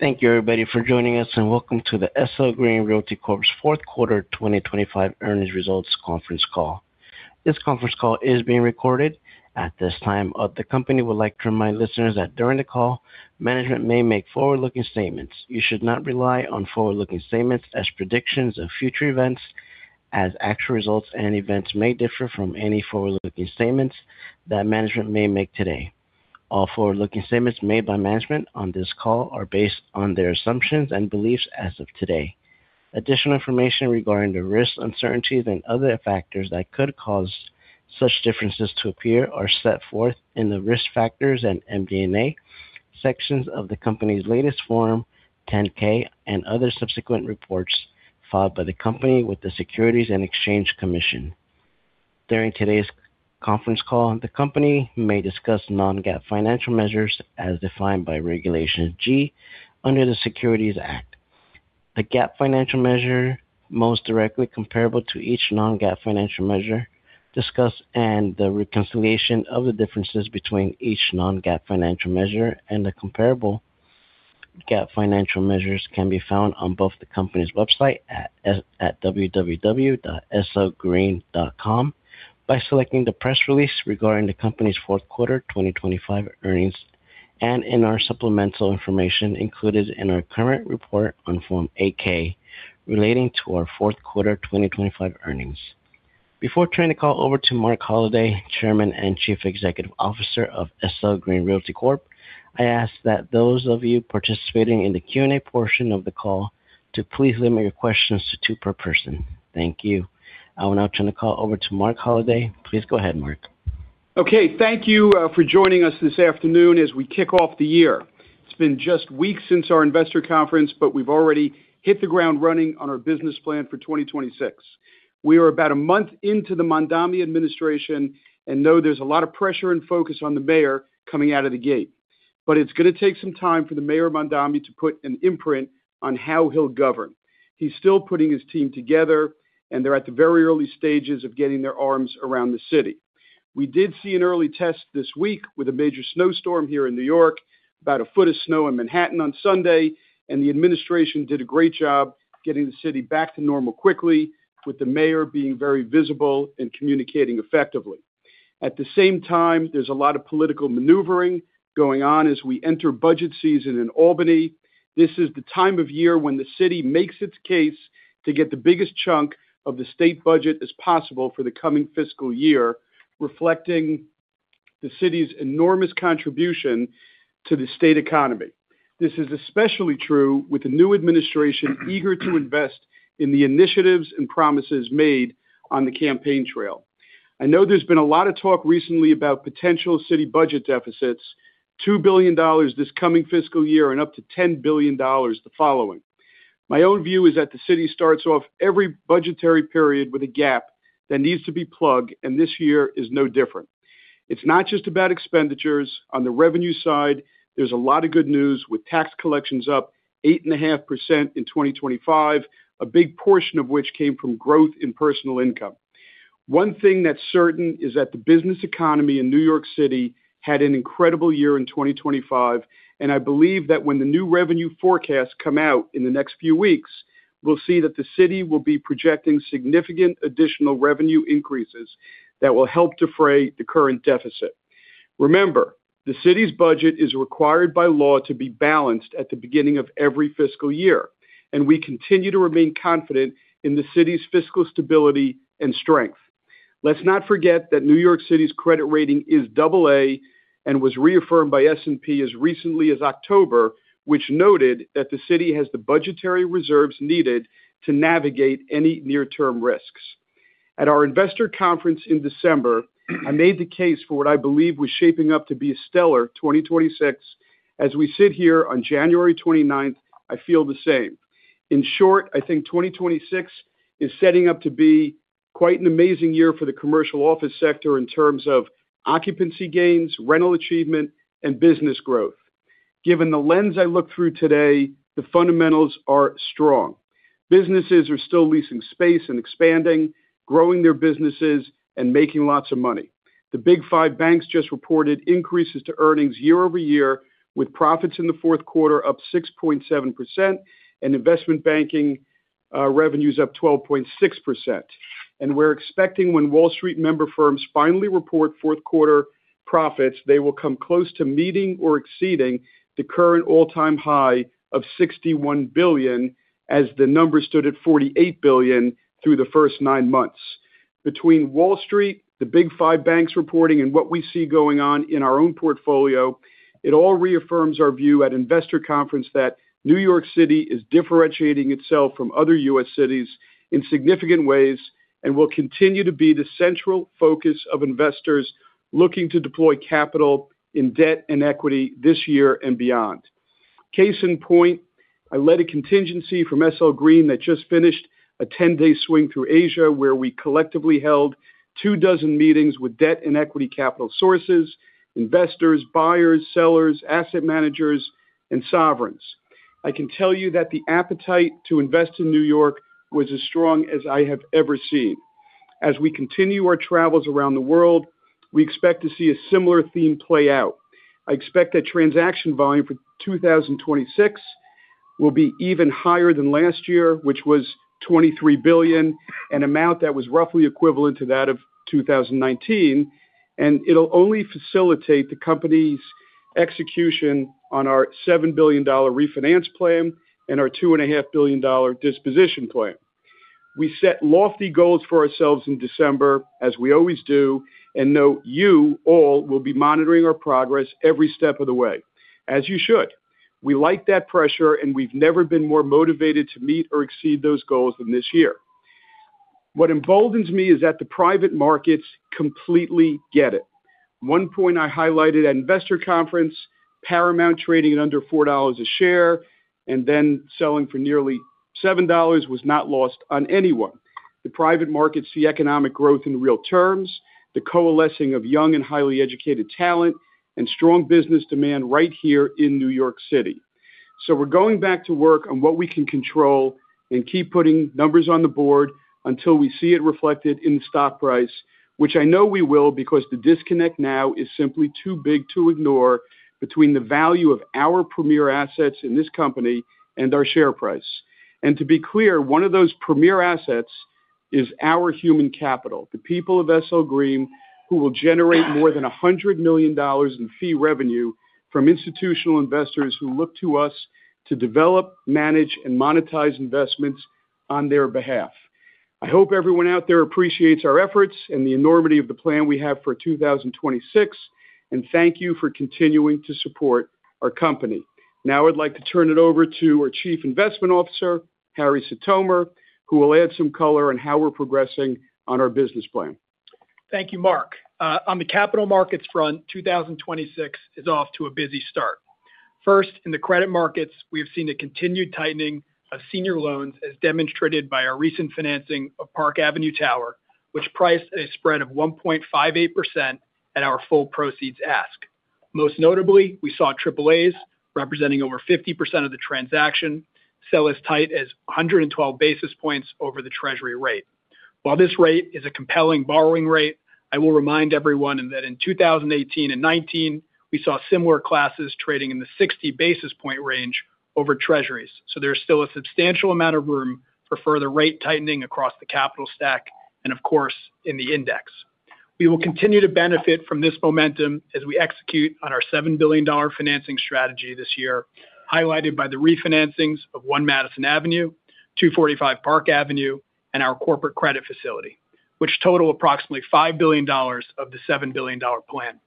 Thank you, everybody, for joining us, and welcome to the SL Green Realty Corp.'s fourth quarter 2025 earnings results conference call. This conference call is being recorded. At this time, the company would like to remind listeners that during the call, management may make forward-looking statements. You should not rely on forward-looking statements as predictions of future events, as actual results and events may differ from any forward-looking statements that management may make today. All forward-looking statements made by management on this call are based on their assumptions and beliefs as of today. Additional information regarding the risks, uncertainties, and other factors that could cause such differences to appear are set forth in the Risk Factors and MD&A sections of the company's latest Form 10-K and other subsequent reports filed by the company with the Securities and Exchange Commission. During today's conference call, the company may discuss non-GAAP financial measures as defined by Regulation G under the Securities Act. The GAAP financial measure, most directly comparable to each non-GAAP financial measure discussed, and the reconciliation of the differences between each non-GAAP financial measure and the comparable GAAP financial measures can be found on both the company's website at www.slgreen.com, by selecting the press release regarding the company's fourth quarter 2025 earnings, and in our supplemental information included in our current report on Form 8-K, relating to our fourth quarter 2025 earnings. Before turning the call over to Marc Holliday, Chairman and Chief Executive Officer of SL Green Realty Corp., I ask that those of you participating in the Q&A portion of the call to please limit your questions to two per person. Thank you. I will now turn the call over to Marc Holliday. Please go ahead, Marc. Okay, thank you for joining us this afternoon as we kick off the year. It's been just weeks since our investor conference, but we've already hit the ground running on our business plan for 2026. We are about a month into the Mamdani administration and know there's a lot of pressure and focus on the mayor coming out of the gate. But it's going to take some time for the Mayor Mamdani to put an imprint on how he'll govern. He's still putting his team together, and they're at the very early stages of getting their arms around the city. We did see an early test this week with a major snowstorm here in New York, about a foot of snow in Manhattan on Sunday, and the administration did a great job getting the city back to normal quickly, with the mayor being very visible and communicating effectively. At the same time, there's a lot of political maneuvering going on as we enter budget season in Albany. This is the time of year when the city makes its case to get the biggest chunk of the state budget as possible for the coming fiscal year, reflecting the city's enormous contribution to the state economy. This is especially true with the new administration eager to invest in the initiatives and promises made on the campaign trail. I know there's been a lot of talk recently about potential city budget deficits, $2 billion this coming fiscal year and up to $10 billion the following. My own view is that the city starts off every budgetary period with a gap that needs to be plugged, and this year is no different. It's not just about expenditures. On the revenue side, there's a lot of good news, with tax collections up 8.5% in 2025, a big portion of which came from growth in personal income. One thing that's certain is that the business economy in New York City had an incredible year in 2025, and I believe that when the new revenue forecasts come out in the next few weeks, we'll see that the city will be projecting significant additional revenue increases that will help defray the current deficit. Remember, the city's budget is required by law to be balanced at the beginning of every fiscal year, and we continue to remain confident in the city's fiscal stability and strength. Let's not forget that New York City's credit rating is double-A and was reaffirmed by S&P as recently as October, which noted that the city has the budgetary reserves needed to navigate any near-term risks. At our investor conference in December, I made the case for what I believe was shaping up to be a stellar 2026. As we sit here on January 29, I feel the same. In short, I think 2026 is setting up to be quite an amazing year for the commercial office sector in terms of occupancy gains, rental achievement, and business growth. Given the lens I look through today, the fundamentals are strong. Businesses are still leasing space and expanding, growing their businesses, and making lots of money. The Big Five banks just reported increases to earnings year-over-year, with profits in the fourth quarter up 6.7% and investment banking revenues up 12.6%. We're expecting when Wall Street member firms finally report fourth quarter profits, they will come close to meeting or exceeding the current all-time high of $61 billion, as the numbers stood at $48 billion through the first nine months. Between Wall Street, the Big Five banks reporting and what we see going on in our own portfolio, it all reaffirms our view at Investor Conference that New York City is differentiating itself from other U.S. cities in significant ways and will continue to be the central focus of investors looking to deploy capital in debt and equity this year and beyond. Case in point, I led a contingency from SL Green that just finished a 10-day swing through Asia, where we collectively held two dozen meetings with debt and equity capital sources, investors, buyers, sellers, asset managers, and sovereigns. I can tell you that the appetite to invest in New York was as strong as I have ever seen. As we continue our travels around the world, we expect to see a similar theme play out. I expect that transaction volume for 2026 will be even higher than last year, which was $23 billion, an amount that was roughly equivalent to that of 2019, and it'll only facilitate the company's execution on our $7 billion refinance plan and our $2.5 billion disposition plan. We set lofty goals for ourselves in December, as we always do, and know you all will be monitoring our progress every step of the way, as you should. We like that pressure, and we've never been more motivated to meet or exceed those goals than this year. What emboldens me is that the private markets completely get it. One point I highlighted at Investor Conference, Paramount trading at under $4 a share, and then selling for nearly $7 was not lost on anyone. The private markets see economic growth in real terms, the coalescing of young and highly educated talent, and strong business demand right here in New York City. So we're going back to work on what we can control and keep putting numbers on the board until we see it reflected in the stock price, which I know we will, because the disconnect now is simply too big to ignore between the value of our premier assets in this company and our share price. And to be clear, one of those premier assets is our human capital, the people of SL Green, who will generate more than $100 million in fee revenue from institutional investors who look to us to develop, manage, and monetize investments on their behalf. I hope everyone out there appreciates our efforts and the enormity of the plan we have for 2026, and thank you for continuing to support our company. Now, I'd like to turn it over to our Chief Investment Officer, Harrison Sitomer, who will add some color on how we're progressing on our business plan. Thank you, Marc. On the capital markets front, 2026 is off to a busy start. First, in the credit markets, we have seen a continued tightening of senior loans, as demonstrated by our recent financing of Park Avenue Tower, which priced a spread of 1.58% at our full proceeds ask. Most notably, we saw AAAs, representing over 50% of the transaction, sell as tight as 112 basis points over the Treasury rate. While this rate is a compelling borrowing rate, I will remind everyone that in 2018 and 2019, we saw similar classes trading in the 60 basis point range over Treasuries. So there is still a substantial amount of room for further rate tightening across the capital stack, and of course, in the index. We will continue to benefit from this momentum as we execute on our $7 billion financing strategy this year, highlighted by the refinancings of One Madison Avenue, 245 Park Avenue, and our corporate credit facility, which total approximately $5 billion of the $7 billion plan.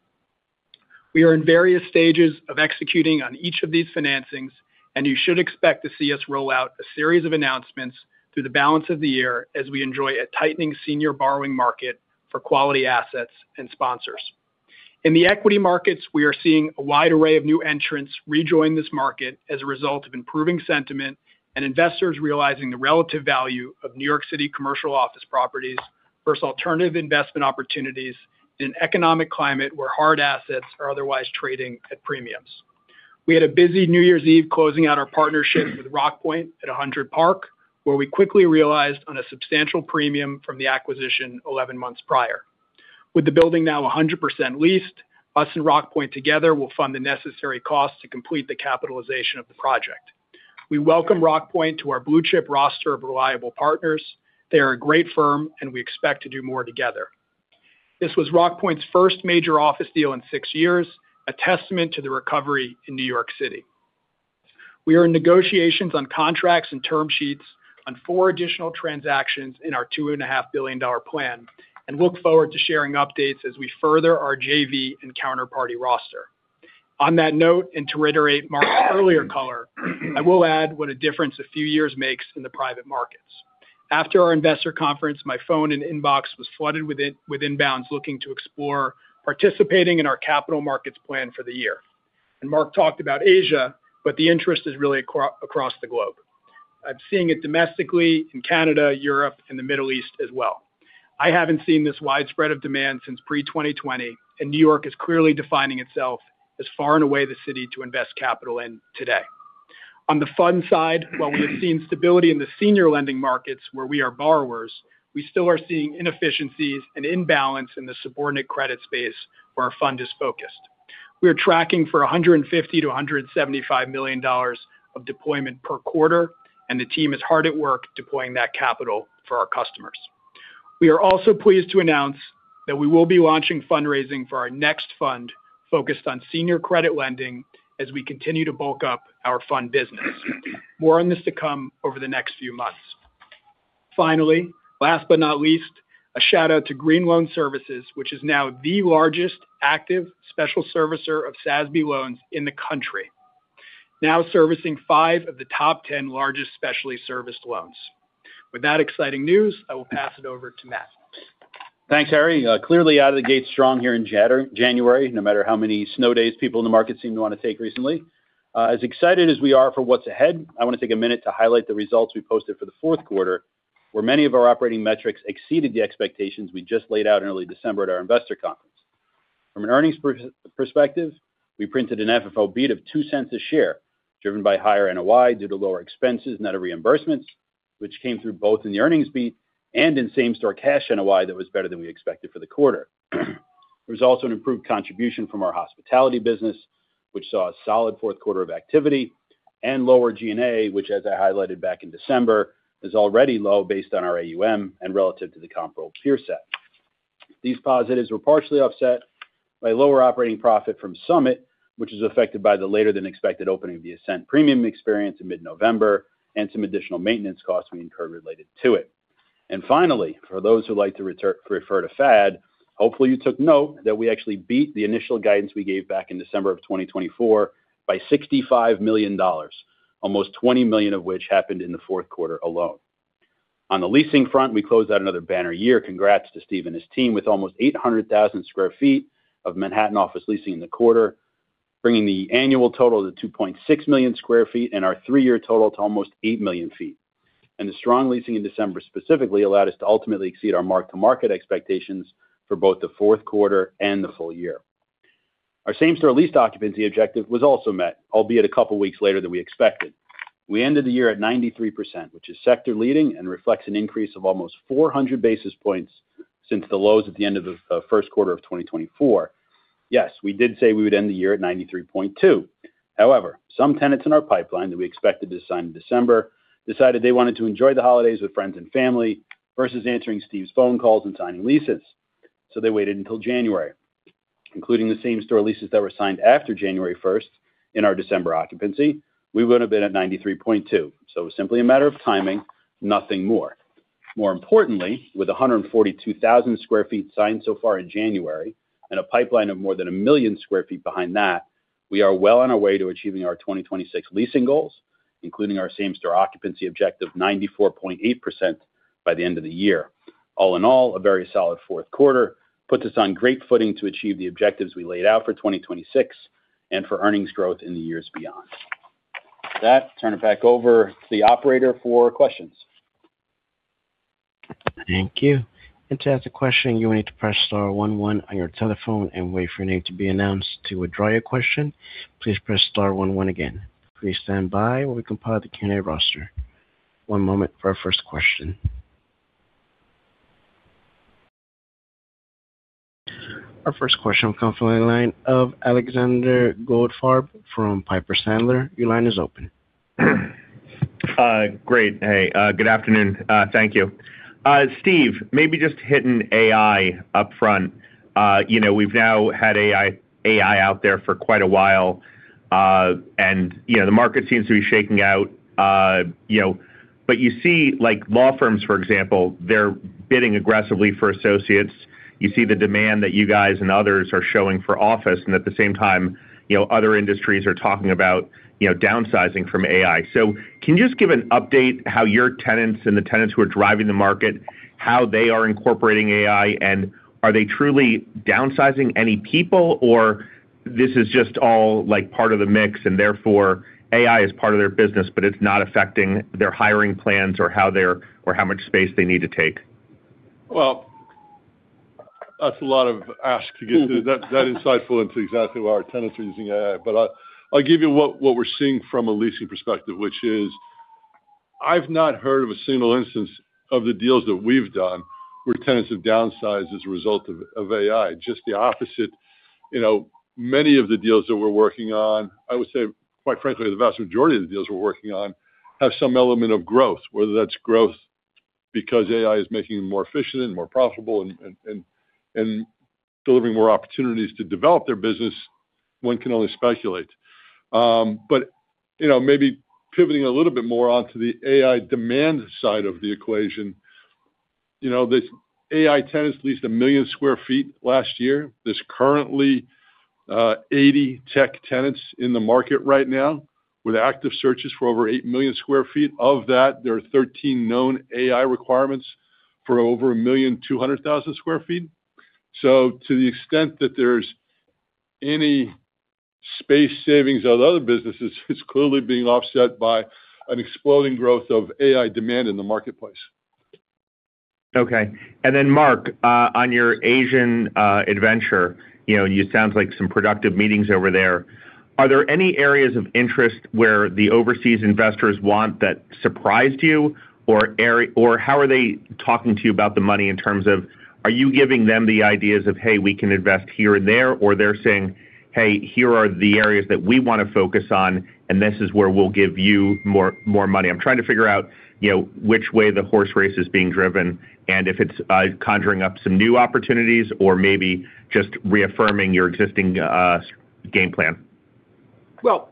We are in various stages of executing on each of these financings, and you should expect to see us roll out a series of announcements through the balance of the year as we enjoy a tightening senior borrowing market for quality assets and sponsors. In the equity markets, we are seeing a wide array of new entrants rejoin this market as a result of improving sentiment and investors realizing the relative value of New York City commercial office properties versus alternative investment opportunities in economic climate where hard assets are otherwise trading at premiums. We had a busy New Year's Eve closing out our partnership with Rockpoint at 100 Park Avenue, where we quickly realized on a substantial premium from the acquisition 11 months prior. With the building now 100% leased, us and Rockpoint together will fund the necessary costs to complete the capitalization of the project. We welcome Rockpoint to our blue-chip roster of reliable partners. They are a great firm, and we expect to do more together. This was Rockpoint's first major office deal in 6 years, a testament to the recovery in New York City. We are in negotiations on contracts and term sheets on 4 additional transactions in our $2.5 billion plan, and look forward to sharing updates as we further our JV and counterparty roster. On that note, and to reiterate Marc's earlier color, I will add what a difference a few years makes in the private markets. After our investor conference, my phone and inbox was flooded with inbounds looking to explore participating in our capital markets plan for the year. Marc talked about Asia, but the interest is really across the globe. I'm seeing it domestically in Canada, Europe, and the Middle East as well. I haven't seen this widespread of demand since pre-2020, and New York is clearly defining itself as far and away the city to invest capital in today. On the fund side, while we have seen stability in the senior lending markets where we are borrowers, we still are seeing inefficiencies and imbalance in the subordinate credit space where our fund is focused. We are tracking for $150 million-$175 million of deployment per quarter, and the team is hard at work deploying that capital for our customers. We are also pleased to announce that we will be launching fundraising for our next fund, focused on senior credit lending as we continue to bulk up our fund business. More on this to come over the next few months. Finally, last but not least, a shout-out to Green Loan Services, which is now the largest active special servicer of SASB loans in the country, now servicing five of the top 10 largest specialty serviced loans. With that exciting news, I will pass it over to Matt. Thanks, Harry. Clearly out of the gate strong here in January, no matter how many snow days people in the market seem to want to take recently. As excited as we are for what's ahead, I want to take a minute to highlight the results we posted for the fourth quarter, where many of our operating metrics exceeded the expectations we just laid out in early December at our investor conference. From an earnings perspective, we printed an FFO beat of $0.02 a share, driven by higher NOI due to lower expenses, net of reimbursements, which came through both in the earnings beat and in same-store cash NOI that was better than we expected for the quarter. There was also an improved contribution from our hospitality business, which saw a solid fourth quarter of activity and lower G&A, which, as I highlighted back in December, is already low based on our AUM and relative to the comparable peer set. These positives were partially offset by lower operating profit from Summit, which is affected by the later than expected opening of the Ascent premium experience in mid-November, and some additional maintenance costs we incurred related to it. And finally, for those who like to refer to FAD, hopefully, you took note that we actually beat the initial guidance we gave back in December 2024 by $65 million, almost $20 million of which happened in the fourth quarter alone. On the leasing front, we closed out another banner year. Congrats to Steve and his team with almost 800,000 sq ft of Manhattan office leasing in the quarter, bringing the annual total to 2.6 million sq ft and our 3-year total to almost 8 million sq ft. And the strong leasing in December specifically allowed us to ultimately exceed our mark-to-market expectations for both the fourth quarter and the full year. Our same-store lease occupancy objective was also met, albeit a couple of weeks later than we expected. We ended the year at 93%, which is sector leading and reflects an increase of almost 400 basis points since the lows at the end of the first quarter of 2024. Yes, we did say we would end the year at 93.2. However, some tenants in our pipeline that we expected to sign in December decided they wanted to enjoy the holidays with friends and family versus answering Steve's phone calls and signing leases, so they waited until January. Including the same-store leases that were signed after January first in our December occupancy, we would have been at 93.2. So it was simply a matter of timing, nothing more. More importantly, with 142,000 sq ft signed so far in January and a pipeline of more than 1 million sq ft behind that, we are well on our way to achieving our 2026 leasing goals, including our same store occupancy objective, 94.8% by the end of the year. All in all, a very solid fourth quarter. Puts us on great footing to achieve the objectives we laid out for 2026 and for earnings growth in the years beyond. With that, turn it back over to the operator for questions. Thank you. To ask a question, you will need to press star one one on your telephone and wait for your name to be announced. To withdraw your question, please press star one one again. Please stand by while we compile the candidate roster. One moment for our first question. Our first question will come from the line of Alexander Goldfarb from Piper Sandler. Your line is open. Great. Hey, good afternoon. Thank you. Steve, maybe just hitting AI upfront. You know, we've now had AI, AI out there for quite a while, and, you know, the market seems to be shaking out, you know, but you see like law firms, for example, they're bidding aggressively for associates. You see the demand that you guys and others are showing for office, and at the same time, you know, other industries are talking about, you know, downsizing from AI. Can you just give an update how your tenants and the tenants who are driving the market, how they are incorporating AI, and are they truly downsizing any people, or this is just all, like, part of the mix, and therefore, AI is part of their business, but it's not affecting their hiring plans or how much space they need to take? Well, that's a lot of ask to get to that insightful into exactly where our tenants are using AI. But I, I'll give you what we're seeing from a leasing perspective, which is, I've not heard of a single instance of the deals that we've done where tenants have downsized as a result of AI, just the opposite. You know, many of the deals that we're working on, I would say, quite frankly, the vast majority of the deals we're working on have some element of growth, whether that's growth because AI is making them more efficient and more profitable and delivering more opportunities to develop their business, one can only speculate. But, you know, maybe pivoting a little bit more onto the AI demand side of the equation. You know, this AI tenants leased 1 million sq ft last year. There's currently 80 tech tenants in the market right now, with active searches for over 8 million sq ft. Of that, there are 13 known AI requirements for over 1.2 million sq ft. So to the extent that there's any space savings on other businesses, it's clearly being offset by an exploding growth of AI demand in the marketplace. Okay. And then, Marc, on your Asian adventure, you know, it sounds like some productive meetings over there. Are there any areas of interest where the overseas investors want that surprised you? Or how are they talking to you about the money in terms of, are you giving them the ideas of, hey, we can invest here and there, or they're saying, "Hey, here are the areas that we want to focus on, and this is where we'll give you more, more money?" I'm trying to figure out, you know, which way the horse race is being driven and if it's conjuring up some new opportunities or maybe just reaffirming your existing game plan. Well,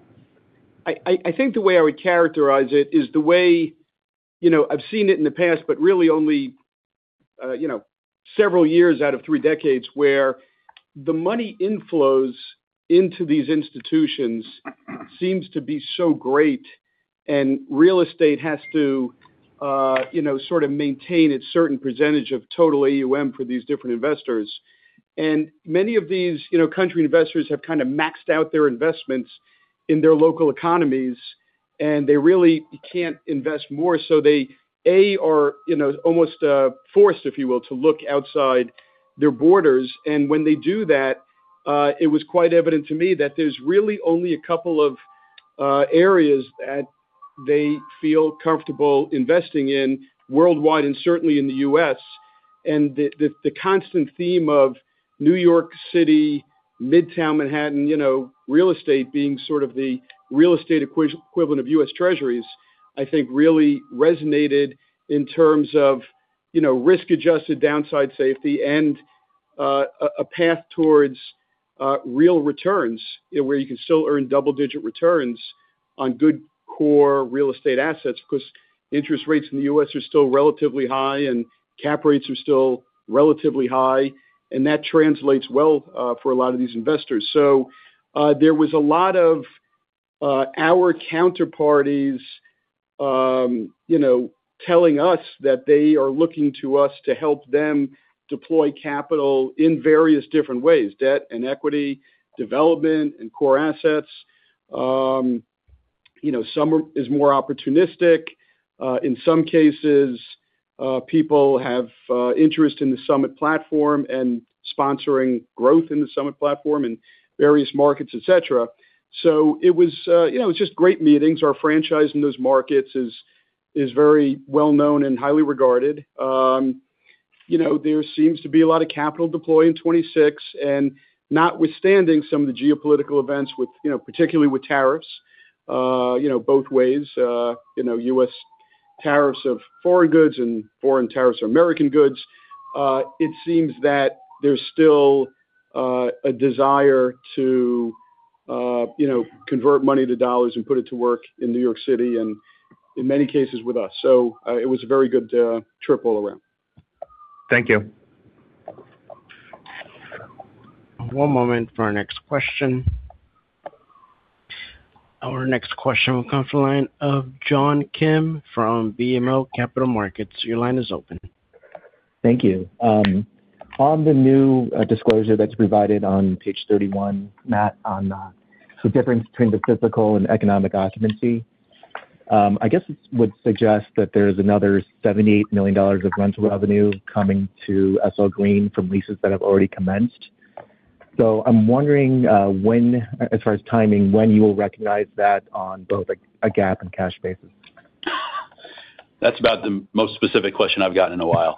I think the way I would characterize it is the way, you know, I've seen it in the past, but really only, you know, several years out of three decades, where the money inflows into these institutions seems to be so great, and real estate has to, you know, sort of maintain a certain percentage of total AUM for these different investors. And many of these, you know, country investors have kind of maxed out their investments in their local economies and they really can't invest more, so they are, you know, almost, forced, if you will, to look outside their borders. And when they do that, it was quite evident to me that there's really only a couple of areas that they feel comfortable investing in worldwide and certainly in the US. The constant theme of New York City, Midtown Manhattan, you know, real estate being sort of the real estate equivalent of US Treasuries, I think really resonated in terms of, you know, risk-adjusted downside safety and a path towards real returns, where you can still earn double-digit returns on good, core real estate assets. Because interest rates in the US are still relatively high, and cap rates are still relatively high, and that translates well for a lot of these investors. So, there was a lot of our counterparties, you know, telling us that they are looking to us to help them deploy capital in various different ways, debt and equity, development and core assets. You know, some are more opportunistic. In some cases, people have interest in the Summit platform and sponsoring growth in the Summit platform in various markets, et cetera. So it was, you know, it was just great meetings. Our franchise in those markets is very well known and highly regarded. You know, there seems to be a lot of capital deployed in 2026, and notwithstanding some of the geopolitical events with, you know, particularly with tariffs, you know, both ways, you know, U.S. tariffs of foreign goods and foreign tariffs of American goods, it seems that there's still a desire to, you know, convert money to dollars and put it to work in New York City, and in many cases, with us. So, it was a very good trip all around. Thank you. One moment for our next question. Our next question will come from the line of John Kim from BMO Capital Markets. Your line is open. Thank you. On the new disclosure that's provided on page 31, Matt, so difference between the physical and economic occupancy, I guess this would suggest that there's another $78 million of rental revenue coming to SL Green from leases that have already commenced. So I'm wondering, as far as timing, when you will recognize that on both a GAAP and cash basis? That's about the most specific question I've gotten in a while.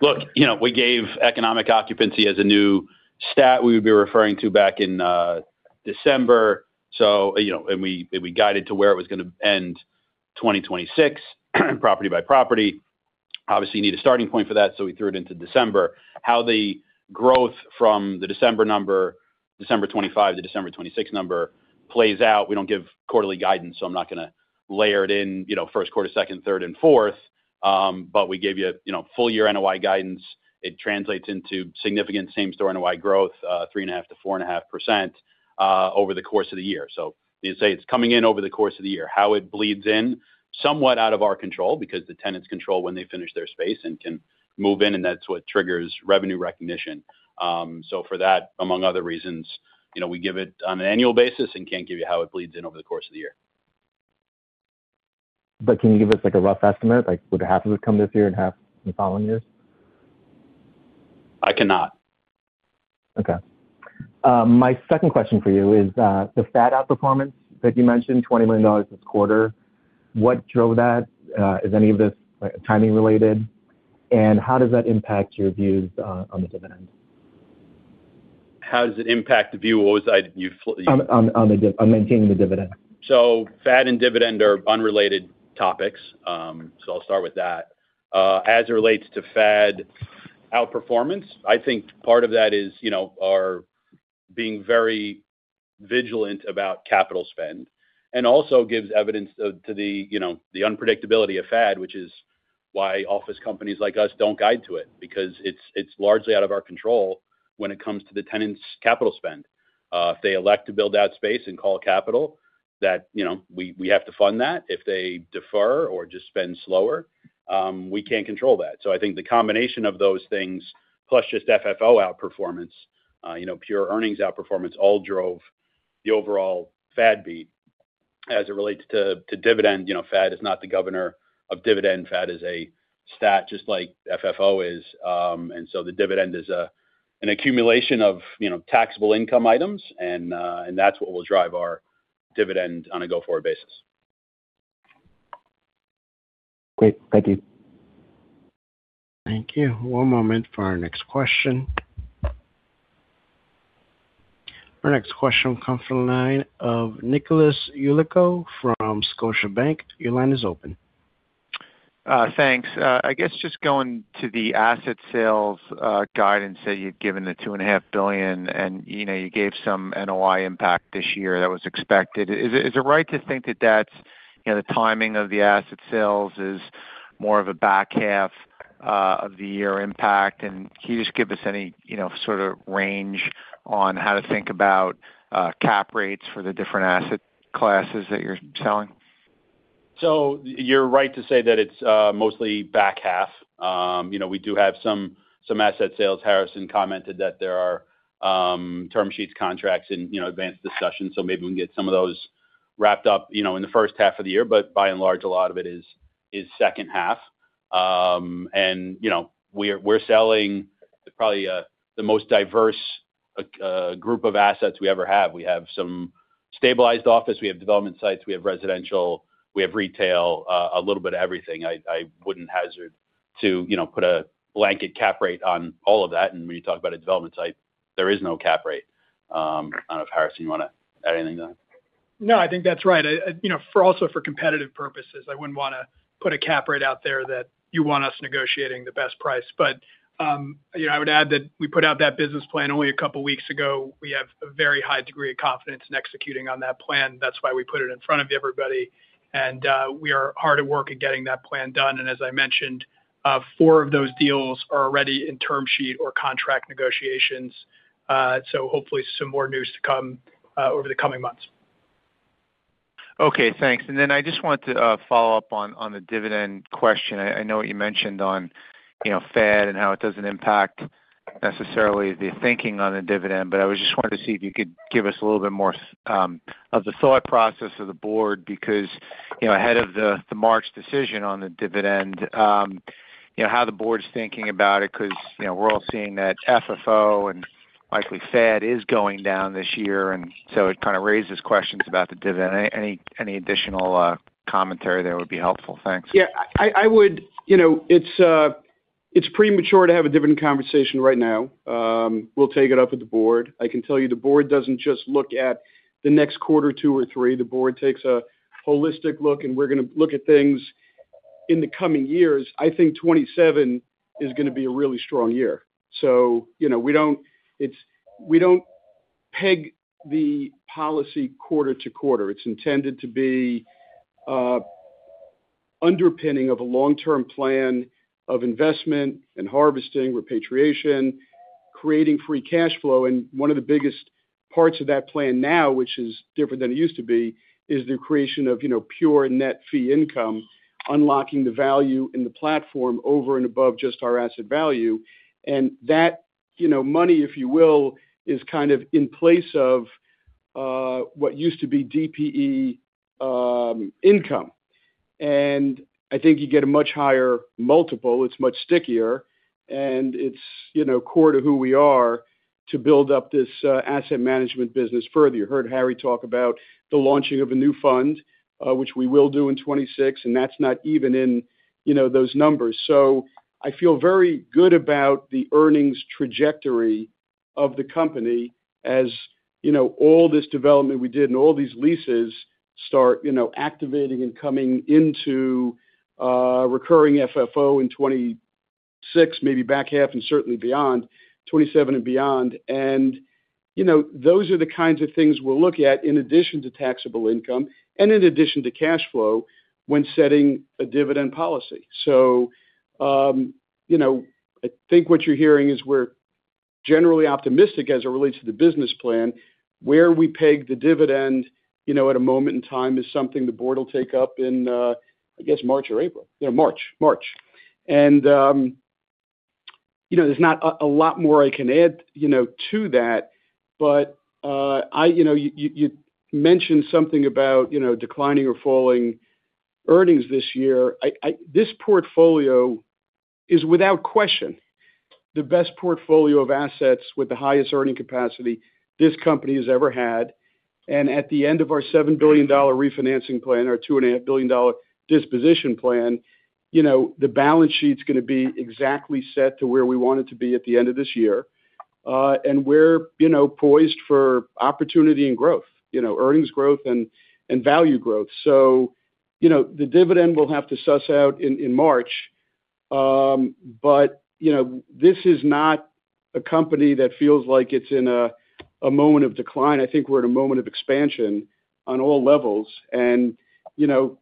Look, you know, we gave economic occupancy as a new stat we would be referring to back in December. So, you know, and we, and we guided to where it was gonna end 2026, property by property. Obviously, you need a starting point for that, so we threw it into December. How the growth from the December number, December 2025 to December 2026 number, plays out, we don't give quarterly guidance, so I'm not gonna layer it in, you know, first quarter, second, third, and fourth. But we gave you, you know, full year NOI guidance. It translates into significant same-store NOI growth, 3.5%-4.5%, over the course of the year. So as I say, it's coming in over the course of the year. How it bleeds in, somewhat out of our control, because the tenants control when they finish their space and can move in, and that's what triggers revenue recognition. So, for that, among other reasons, you know, we give it on an annual basis and can't give you how it bleeds in over the course of the year. Can you give us, like, a rough estimate? Like, would half of it come this year and half in the following years? I cannot. Okay. My second question for you is, the FAD outperformance that you mentioned, $20 million this quarter, what drove that? Is any of this, timing related? And how does that impact your views, on the dividend? How does it impact the view? What was I- You f- On maintaining the dividend. So FAD and dividend are unrelated topics, so I'll start with that. As it relates to FAD outperformance, I think part of that is, you know, our being very vigilant about capital spend, and also gives evidence to the, you know, the unpredictability of FAD, which is why office companies like us don't guide to it. Because it's, it's largely out of our control when it comes to the tenant's capital spend. If they elect to build out space and call it capital, that, you know, we, we have to fund that. If they defer or just spend slower, we can't control that. So I think the combination of those things, plus just FFO outperformance, you know, pure earnings outperformance, all drove the overall FAD beat. As it relates to, to dividend, you know, FAD is not the governor of dividend. FAD is a stat just like FFO is. And so the dividend is, an accumulation of, you know, taxable income items, and, and that's what will drive our dividend on a go-forward basis. Great. Thank you. Thank you. One moment for our next question. Our next question will come from the line of Nicholas Yulico from Scotiabank. Your line is open. Thanks. I guess just going to the asset sales guidance that you'd given, the $2.5 billion, and, you know, you gave some NOI impact this year that was expected. Is it right to think that that's, you know, the timing of the asset sales is more of a back half of the year impact? And can you just give us any, you know, sort of range on how to think about cap rates for the different asset classes that you're selling? So you're right to say that it's mostly back half. You know, we do have some asset sales. Harrison commented that there are term sheets, contracts, and, you know, advanced discussions, so maybe we can get some of those wrapped up, you know, in the first half of the year. But by and large, a lot of it is second half. And, you know, we're selling probably the most diverse group of assets we ever have. We have some stabilized office, we have development sites, we have residential, we have retail, a little bit of everything. I wouldn't hazard to, you know, put a blanket cap rate on all of that. And when you talk about a development site, there is no cap rate. I don't know, Harrison, you wanna add anything to that? No, I think that's right. You know, for also for competitive purposes, I wouldn't wanna put a cap rate out there that you want us negotiating the best price. But, you know, I would add that we put out that business plan only a couple of weeks ago. We have a very high degree of confidence in executing on that plan. That's why we put it in front of everybody, and, we are hard at work at getting that plan done. And as I mentioned, four of those deals are already in term sheet or contract negotiations. So hopefully some more news to come, over the coming months. Okay, thanks. And then I just wanted to follow up on the dividend question. I know what you mentioned on, you know, FAD and how it doesn't impact necessarily the thinking on the dividend, but I just wanted to see if you could give us a little bit more of the thought process of the board. Because, you know, ahead of the March decision on the dividend, you know, how the board's thinking about it, because, you know, we're all seeing that FFO and likely FAD is going down this year, and so it kind of raises questions about the dividend. Any additional commentary there would be helpful? Thanks. Yeah, I would, you know, it's premature to have a dividend conversation right now. We'll take it up with the board. I can tell you the board doesn't just look at the next quarter, two or three. The board takes a holistic look, and we're gonna look at things in the coming years. I think 2027 is gonna be a really strong year. So you know, we don't peg the policy quarter to quarter. It's intended to be underpinning of a long-term plan of investment and harvesting, repatriation, creating free cash flow. And one of the biggest parts of that plan now, which is different than it used to be, is the creation of, you know, pure net fee income, unlocking the value in the platform over and above just our asset value. That, you know, money, if you will, is kind of in place of what used to be DPE income. And I think you get a much higher multiple, it's much stickier, and it's, you know, core to who we are to build up this asset management business further. You heard Harry talk about the launching of a new fund, which we will do in 2026, and that's not even in, you know, those numbers. So I feel very good about the earnings trajectory of the company. As, you know, all this development we did and all these leases start, you know, activating and coming into recurring FFO in 2026, maybe back half and certainly beyond, 2027 and beyond. You know, those are the kinds of things we'll look at in addition to taxable income and in addition to cash flow, when setting a dividend policy. So, you know, I think what you're hearing is we're generally optimistic as it relates to the business plan. Where we peg the dividend, you know, at a moment in time, is something the board will take up in, I guess March or April. Yeah, March, March. And, you know, there's not a lot more I can add, you know, to that. But, I, You know, you mentioned something about, you know, declining or falling earnings this year. This portfolio is, without question, the best portfolio of assets with the highest earning capacity this company has ever had. At the end of our $7 billion refinancing plan, our $2.5 billion disposition plan, you know, the balance sheet's gonna be exactly set to where we want it to be at the end of this year. And we're, you know, poised for opportunity and growth, you know, earnings growth and value growth. So, you know, the dividend will have to suss out in March. But, you know, this is not a company that feels like it's in a moment of decline. I think we're in a moment of expansion on all levels. And, you know,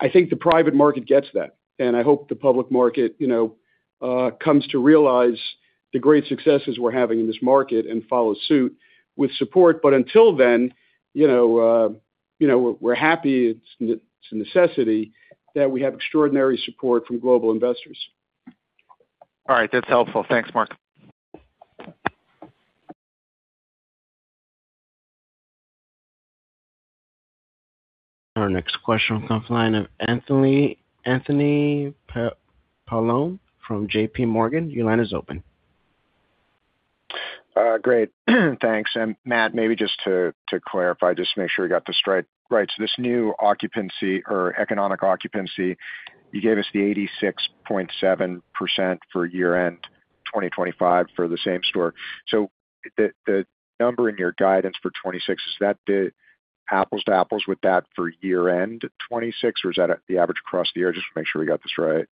I think the private market gets that, and I hope the public market, you know, comes to realize the great successes we're having in this market and follow suit with support. But until then, you know, you know, we're happy, it's a necessity that we have extraordinary support from global investors. All right, that's helpful. Thanks, Marc. Our next question comes from the line of Anthony Paolone from J.P. Morgan. Your line is open. Great. Thanks. And Matt, maybe just to, to clarify, just to make sure we got this right. So this new occupancy or economic occupancy, you gave us the 86.7% for year-end 2025 for the same store. So the, the number in your guidance for 2026, is that the apples to apples with that for year-end 2026, or is that at the average across the year? Just to make sure we got this right.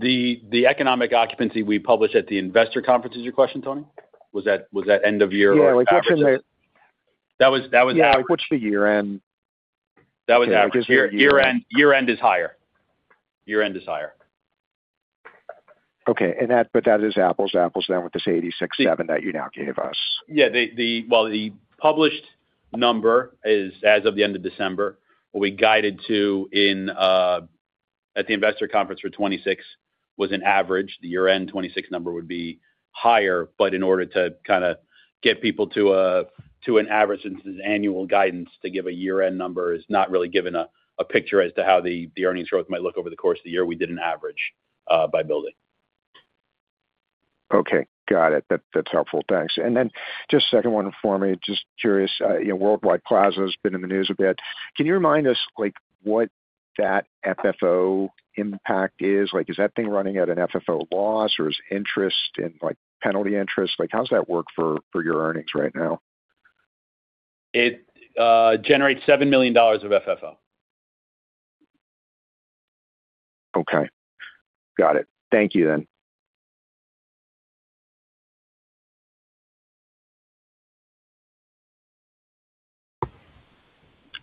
The economic occupancy we published at the investor conference, is your question, Tony? Was that end of year or average? Yeah, what's in the- That was, that was average. Yeah, what's the year end? That was average. Year-end is higher. Okay, but that is apples to apples then with this 86.7 that you now gave us? Yeah, well, the published number is as of the end of December. What we guided to in at the investor conference for 2026 was an average. The year-end 2026 number would be higher, but in order to kind of get people to a, to an average, since it's annual guidance, to give a year-end number is not really giving a, a picture as to how the, the earnings growth might look over the course of the year. We did an average, by building. Okay, got it. That, that's helpful. Thanks. And then just second one for me, just curious, you know, Worldwide Plaza has been in the news a bit. Can you remind us, like, what that FFO impact is? Like, is that thing running at an FFO loss, or is interest and, like, penalty interest, like, how does that work for your earnings right now? It generates $7 million of FFO. Okay. Got it. Thank you then.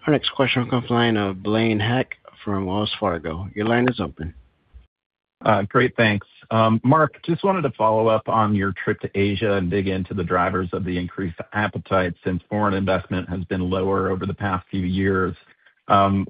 Our next question comes from the line of Blaine Heck from Wells Fargo. Your line is open. Great, thanks. Marc, just wanted to follow up on your trip to Asia and dig into the drivers of the increased appetite since foreign investment has been lower over the past few years.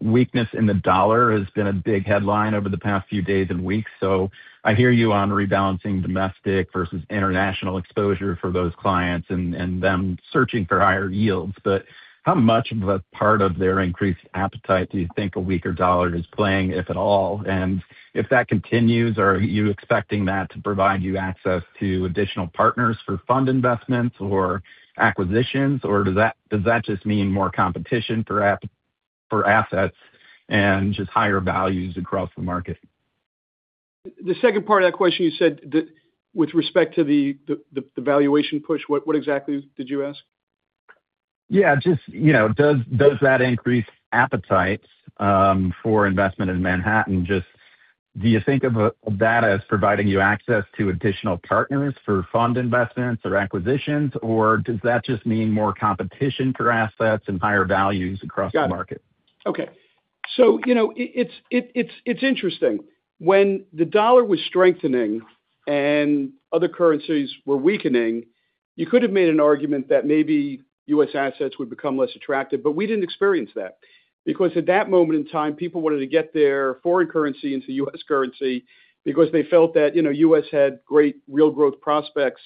Weakness in the US dollar has been a big headline over the past few days and weeks, so I hear you on rebalancing domestic versus international exposure for those clients and, and them searching for higher yields. But how much of a part of their increased appetite do you think a weaker dollar is playing, if at all? And if that continues, are you expecting that to provide you access to additional partners for fund investments or acquisitions? Or does that, does that just mean more competition for for assets and just higher values across the market? The second part of that question, you said that with respect to the valuation push, what exactly did you ask? Yeah, just, you know, does that increase appetite for investment in Manhattan? Just do you think of that as providing you access to additional partners for fund investments or acquisitions, or does that just mean more competition for assets and higher values across the market? Got it. Okay. So, you know, it's interesting. When the dollar was strengthening and other currencies were weakening, you could have made an argument that maybe U.S. assets would become less attractive, but we didn't experience that. Because at that moment in time, people wanted to get their foreign currency into U.S. currency because they felt that, you know, U.S. had great real growth prospects.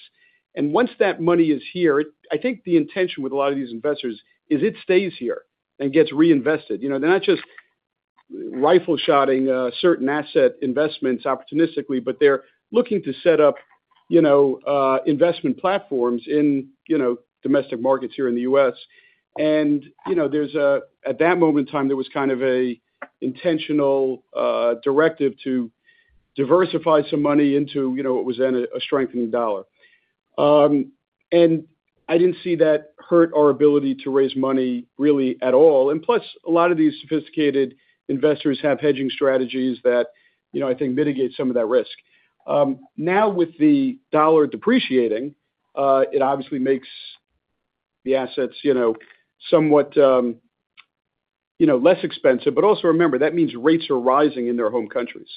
And once that money is here, I think the intention with a lot of these investors is it stays here and gets reinvested. You know, they're not just rifle shotting certain asset investments opportunistically, but they're looking to set up, you know, investment platforms in, you know, domestic markets here in the U.S. And, you know, there's a. At that moment in time, there was kind of a intentional directive to diversify some money into, you know, what was then a strengthening dollar. I didn't see that hurt our ability to raise money really at all. Plus, a lot of these sophisticated investors have hedging strategies that, you know, I think mitigate some of that risk. Now, with the dollar depreciating, it obviously makes the assets, you know, somewhat, you know, less expensive, but also remember, that means rates are rising in their home countries.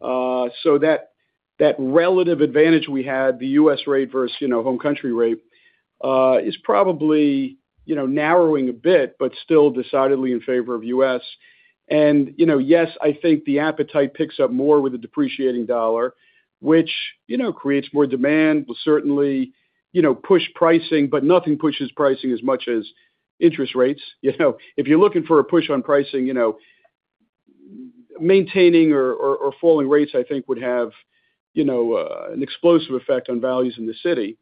So that, that relative advantage we had, the U.S. rate versus, you know, home country rate, is probably, you know, narrowing a bit, but still decidedly in favor of U.S. You know, yes, I think the appetite picks up more with the depreciating dollar, which, you know, creates more demand, will certainly, you know, push pricing, but nothing pushes pricing as much as interest rates. You know, if you're looking for a push on pricing, you know, maintaining or falling rates, I think, would have, you know, an explosive effect on values in the city.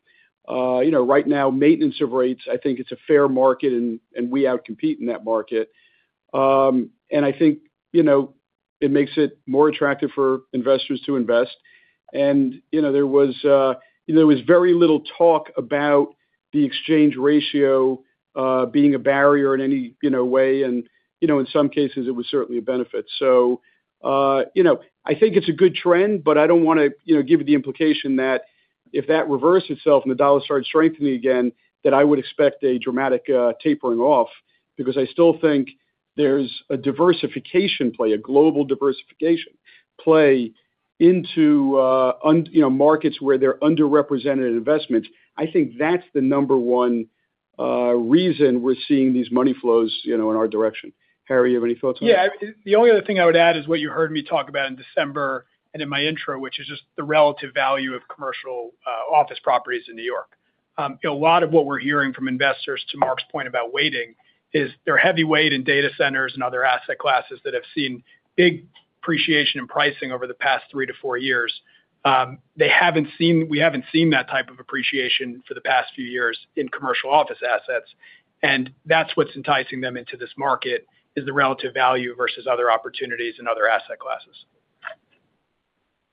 You know, right now, maintenance of rates, I think it's a fair market and we outcompete in that market. And I think, you know, it makes it more attractive for investors to invest. And, you know, there was very little talk about the exchange ratio being a barrier in any, you know, way, and, you know, in some cases it was certainly a benefit. So, you know, I think it's a good trend, but I don't want to, you know, give it the implication that if that reversed itself and the dollar started strengthening again, that I would expect a dramatic, tapering off, because I still think there's a diversification play, a global diversification play into, you know, markets where they're underrepresented in investments. I think that's the number one reason we're seeing these money flows, you know, in our direction. Harry, you have any thoughts on that? Yeah. The only other thing I would add is what you heard me talk about in December and in my intro, which is just the relative value of commercial office properties in New York. A lot of what we're hearing from investors, to Mark's point about weighting, is they're heavyweight in data centers and other asset classes that have seen big appreciation in pricing over the past 3-4 years. They haven't seen, we haven't seen that type of appreciation for the past few years in commercial office assets, and that's what's enticing them into this market, is the relative value versus other opportunities and other asset classes.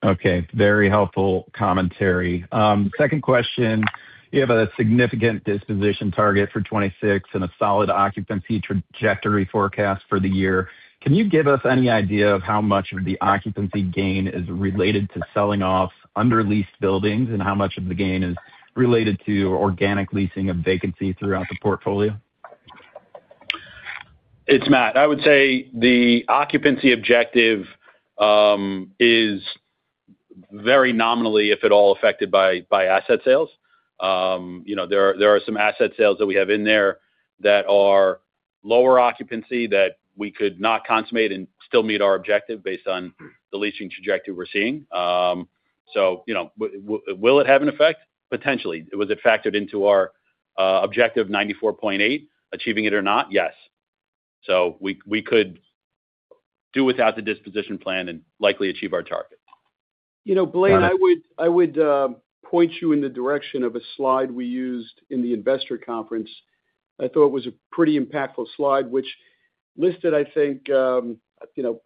Okay, very helpful commentary. Second question: You have a significant disposition target for 2026 and a solid occupancy trajectory forecast for the year. Can you give us any idea of how much of the occupancy gain is related to selling off underleased buildings, and how much of the gain is related to organic leasing of vacancy throughout the portfolio? It's Matt. I would say the occupancy objective is very nominally, if at all, affected by asset sales. You know, there are some asset sales that we have in there that are lower occupancy that we could not consummate and still meet our objective based on the leasing trajectory we're seeing. So, you know, will it have an effect? Potentially. Was it factored into our objective 94.8%, achieving it or not? Yes. So we could do without the disposition plan and likely achieve our target. You know, Blaine, I would point you in the direction of a slide we used in the investor conference. I thought it was a pretty impactful slide, which listed, I think, you know,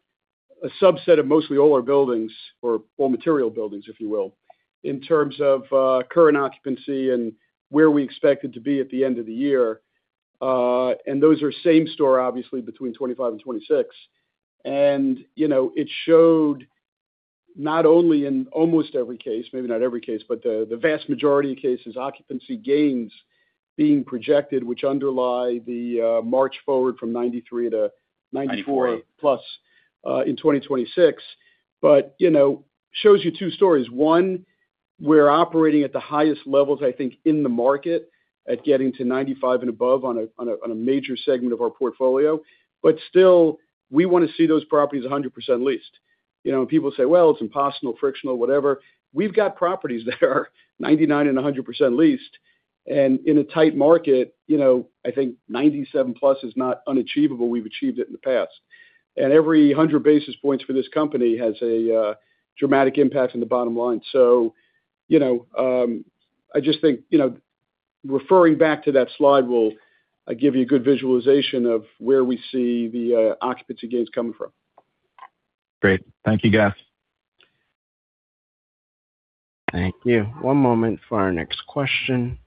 a subset of mostly older buildings or more material buildings, if you will, in terms of current occupancy and where we expect it to be at the end of the year. And those are same store, obviously, between 2025 and 2026. And, you know, it showed not only in almost every case, maybe not every case, but the vast majority of cases, occupancy gains being projected, which underlie the march forward from 93%-94%+ in 2026. But, you know, shows you two stories. One, we're operating at the highest levels, I think, in the market at getting to 95% and above on a major segment of our portfolio. But still, we want to see those properties 100% leased. You know, and people say, "Well, it's impossible, frictional, whatever." We've got properties that are 99% and 100% leased, and in a tight market, you know, I think 97%+ is not unachievable. We've achieved it in the past. And every 100 basis points for this company has a dramatic impact on the bottom line. So, you know, I just think, you know, referring back to that slide will give you a good visualization of where we see the occupancy gains coming from. Great. Thank you, guys. Thank you. One moment for our next question.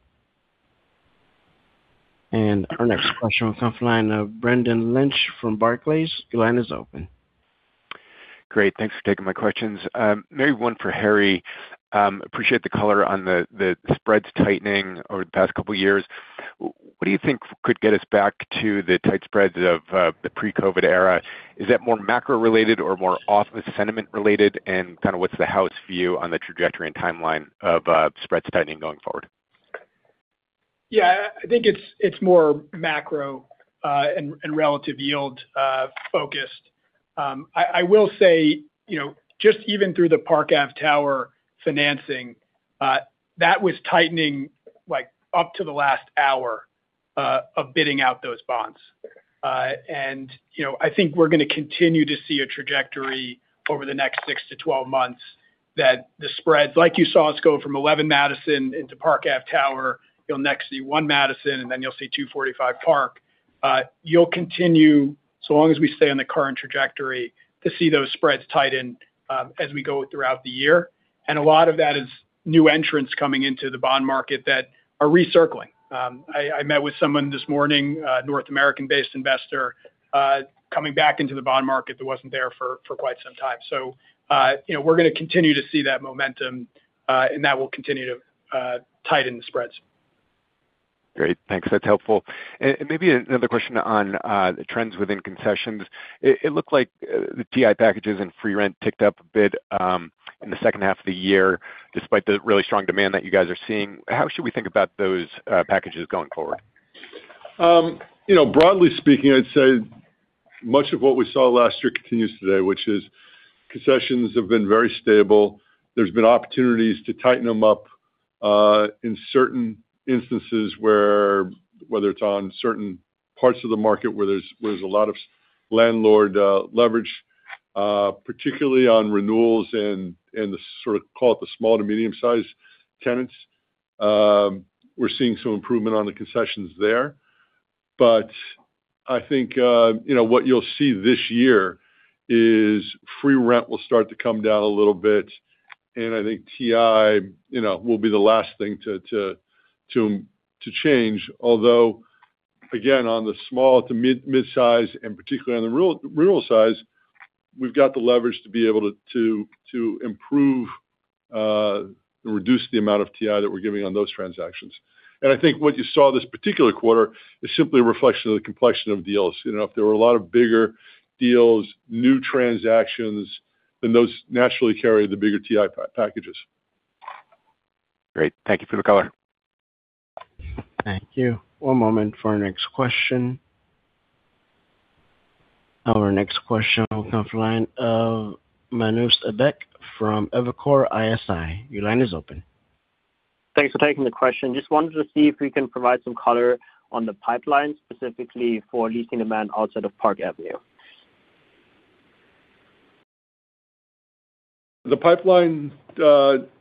Our next question comes from the line of Brendan Lynch from Barclays. Your line is open. Great, thanks for taking my questions. Maybe one for Harry. Appreciate the color on the spreads tightening over the past couple of years. What do you think could get us back to the tight spreads of the pre-COVID era? Is that more macro-related or more office sentiment related, and kind of what's the house view on the trajectory and timeline of spreads tightening going forward? Yeah, I think it's more macro and relative yield focused. I will say, you know, just even through the Park Avenue Tower financing, that was tightening, like, up to the last hour of bidding out those bonds. And you know, I think we're going to continue to see a trajectory over the next 6-12 months, that the spreads, like you saw us go from One Madison into Park Avenue Tower, you'll next see One Madison Avenue, and then you'll see 245 Park Avenue. You'll continue, so long as we stay on the current trajectory, to see those spreads tighten, as we go throughout the year. And a lot of that is new entrants coming into the bond market that are recircling. I met with someone this morning, a North American-based investor, coming back into the bond market that wasn't there for quite some time. So, you know, we're going to continue to see that momentum, and that will continue to tighten the spreads. Great. Thanks. That's helpful. And maybe another question on the trends within concessions. It looked like the TI packages and free rent ticked up a bit in the second half of the year, despite the really strong demand that you guys are seeing. How should we think about those packages going forward? You know, broadly speaking, I'd say much of what we saw last year continues today, which is concessions have been very stable. There's been opportunities to tighten them up in certain instances where whether it's on certain parts of the market, where there's a lot of landlord leverage, particularly on renewals and the sort of, call it the small to medium-sized tenants. We're seeing some improvement on the concessions there. But I think, you know, what you'll see this year is free rent will start to come down a little bit, and I think TI, you know, will be the last thing to change. Although, again, on the small to mid, mid-size, and particularly on the retail size, we've got the leverage to be able to improve and reduce the amount of TI that we're giving on those transactions. And I think what you saw this particular quarter is simply a reflection of the complexion of deals. You know, if there were a lot of bigger deals, new transactions, then those naturally carry the bigger TI packages. Great. Thank you for the color. Thank you. One moment for our next question. Our next question comes from the line of Manush Abek from Evercore ISI. Your line is open. Thanks for taking the question. Just wanted to see if we can provide some color on the pipeline, specifically for leasing demand outside of Park Avenue. The pipeline,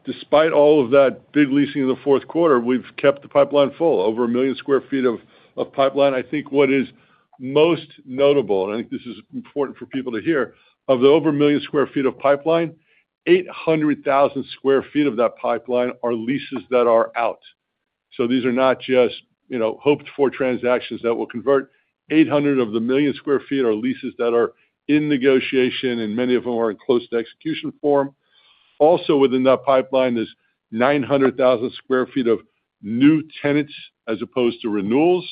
despite all of that big leasing in the fourth quarter, we've kept the pipeline full, over 1 million sq ft of pipeline. I think what is most notable, and I think this is important for people to hear, of the over 1 million sq ft of pipeline, 800,000 sq ft of that pipeline are leases that are out. So these are not just, you know, hoped-for transactions that will convert. 800,000 of the 1 million sq ft are leases that are in negotiation, and many of them are in close to execution form. Also within that pipeline, there's 900,000 sq ft of new tenants as opposed to renewals.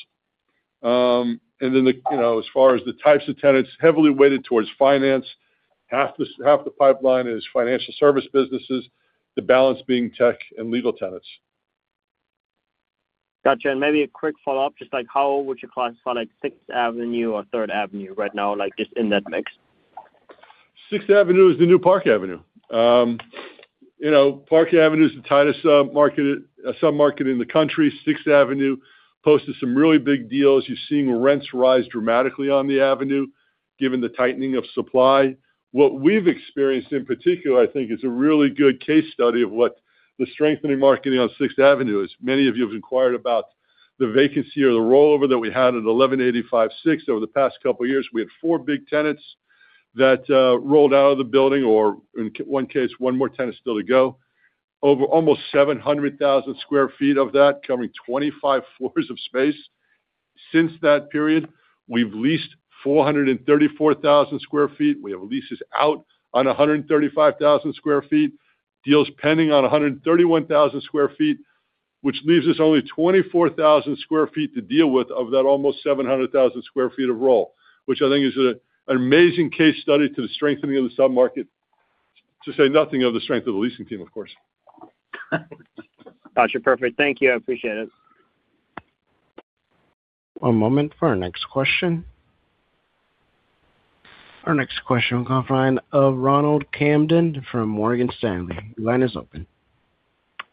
And then the, you know, as far as the types of tenants, heavily weighted towards finance. Half the, half the pipeline is financial service businesses, the balance being tech and legal tenants. Gotcha, and maybe a quick follow-up, just like, how would you classify, like, Sixth Avenue or Third Avenue right now, like, just in that mix? Sixth Avenue is the new Park Avenue. You know, Park Avenue is the tightest market submarket in the country. Sixth Avenue posted some really big deals. You're seeing rents rise dramatically on the avenue, given the tightening of supply. What we've experienced in particular, I think, is a really good case study of what the strengthening market on Sixth Avenue is. Many of you have inquired about the vacancy or the rollover that we had at 1185 Sixth Avenue. Over the past couple of years, we had four big tenants that rolled out of the building, or in one case, one more tenant still to go. Over almost 700,000 sq ft of that, covering 25 floors of space. Since that period, we've leased 434,000 sq ft. We have leases out on 135,000 sq ft, deals pending on 131,000 sq ft, which leaves us only 24,000 sq ft to deal with of that almost 700,000 sq ft of roll. Which I think is an amazing case study to the strengthening of the submarket, to say nothing of the strength of the leasing team, of course. Got you. Perfect. Thank you. I appreciate it. One moment for our next question. Our next question comes from the line of Ronald Kamdem from Morgan Stanley. Your line is open.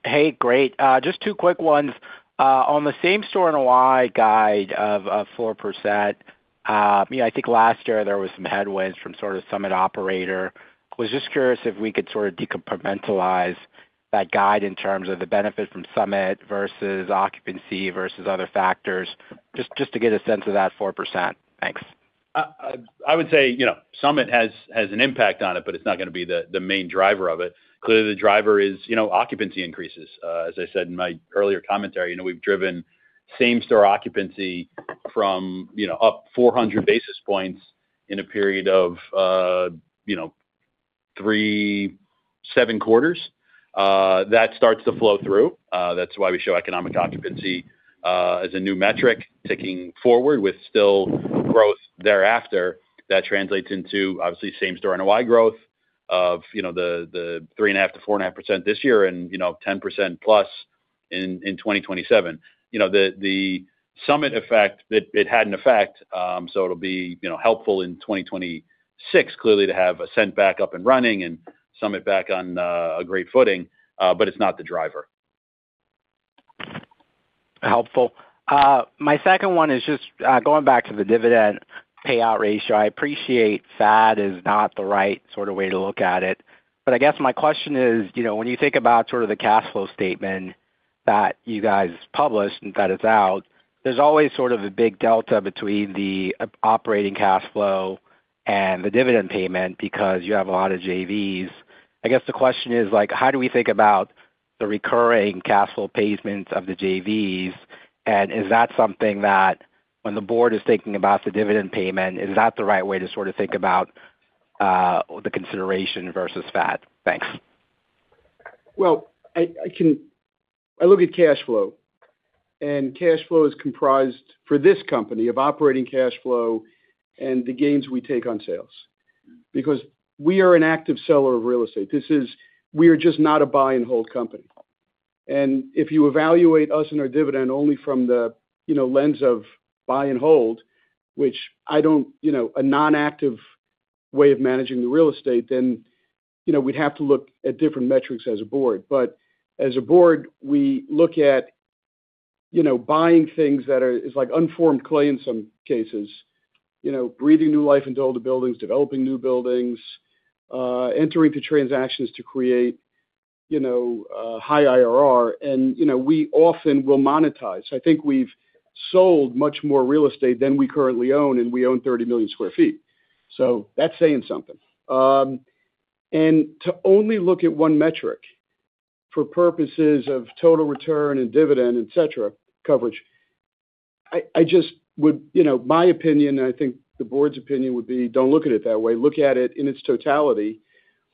Hey, great. Just two quick ones. On the same-store NOI guide of 4%, you know, I think last year there was some headwinds from sort of Summit operator. Was just curious if we could sort of decompartmentalize that guide in terms of the benefit from Summit versus occupancy versus other factors, just to get a sense of that 4%. Thanks. I would say, you know, Summit has an impact on it, but it's not gonna be the main driver of it. Clearly, the driver is, you know, occupancy increases. As I said in my earlier commentary, you know, we've driven same-store occupancy from, you know, up 400 basis points in a period of, you know, seven quarters. That starts to flow through, that's why we show economic occupancy as a new metric, ticking forward with still growth thereafter. That translates into, obviously, same-store NOI growth of, you know, the 3.5%-4.5% this year and, you know, 10%+ in 2027. You know, the Summit effect, it had an effect, so it'll be, you know, helpful in 2026, clearly, to have Ascent back up and running and Summit back on a great footing, but it's not the driver. Helpful. My second one is just going back to the dividend payout ratio. I appreciate FAD is not the right sort of way to look at it, but I guess my question is, you know, when you think about sort of the cash flow statement that you guys published and that is out, there's always sort of a big delta between the operating cash flow and the dividend payment because you have a lot of JVs. I guess the question is, like, how do we think about the recurring cash flow payments of the JVs? And is that something that when the board is thinking about the dividend payment, is that the right way to sort of think about the consideration versus FAD? Thanks. Well, I can. I look at cash flow, and cash flow is comprised, for this company, of operating cash flow and the gains we take on sales. Because we are an active seller of real estate. We are just not a buy-and-hold company. And if you evaluate us and our dividend only from the, you know, lens of buy and hold, which I don't, you know, a non-active way of managing the real estate, then, you know, we'd have to look at different metrics as a board. But as a board, we look at, you know, buying things that are, it's like unformed clay in some cases. You know, breathing new life into older buildings, developing new buildings, entering into transactions to create, you know, high IRR, and, you know, we often will monetize. I think we've sold much more real estate than we currently own, and we own 30 million sq ft. So that's saying something. And to only look at one metric for purposes of total return and dividend, et cetera, coverage, I just would— You know, my opinion, and I think the board's opinion, would be, don't look at it that way. Look at it in its totality,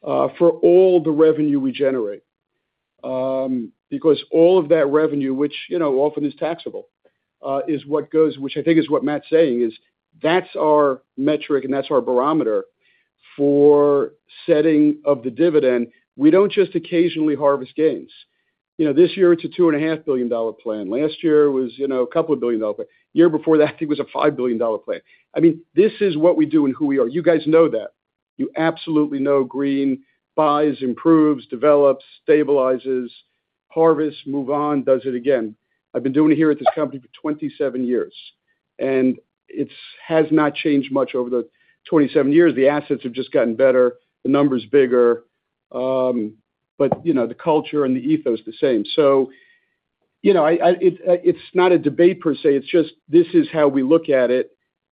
for all the revenue we generate. Because all of that revenue, which, you know, often is taxable, is what goes, which I think is what Matt's saying is, that's our metric and that's our barometer for setting of the dividend. We don't just occasionally harvest gains. You know, this year it's a $2.5 billion plan. Last year was, you know, a couple of $2 billion, but year before that, I think it was a $5 billion plan. I mean, this is what we do and who we are. You guys know that. You absolutely know Green buys, improves, develops, stabilizes, harvests, move on, does it again. I've been doing it here at this company for 27 years, and it has not changed much over the 27 years. The assets have just gotten better, the numbers bigger, but, you know, the culture and the ethos, the same. So, you know, it's not a debate per se, it's just this is how we look at it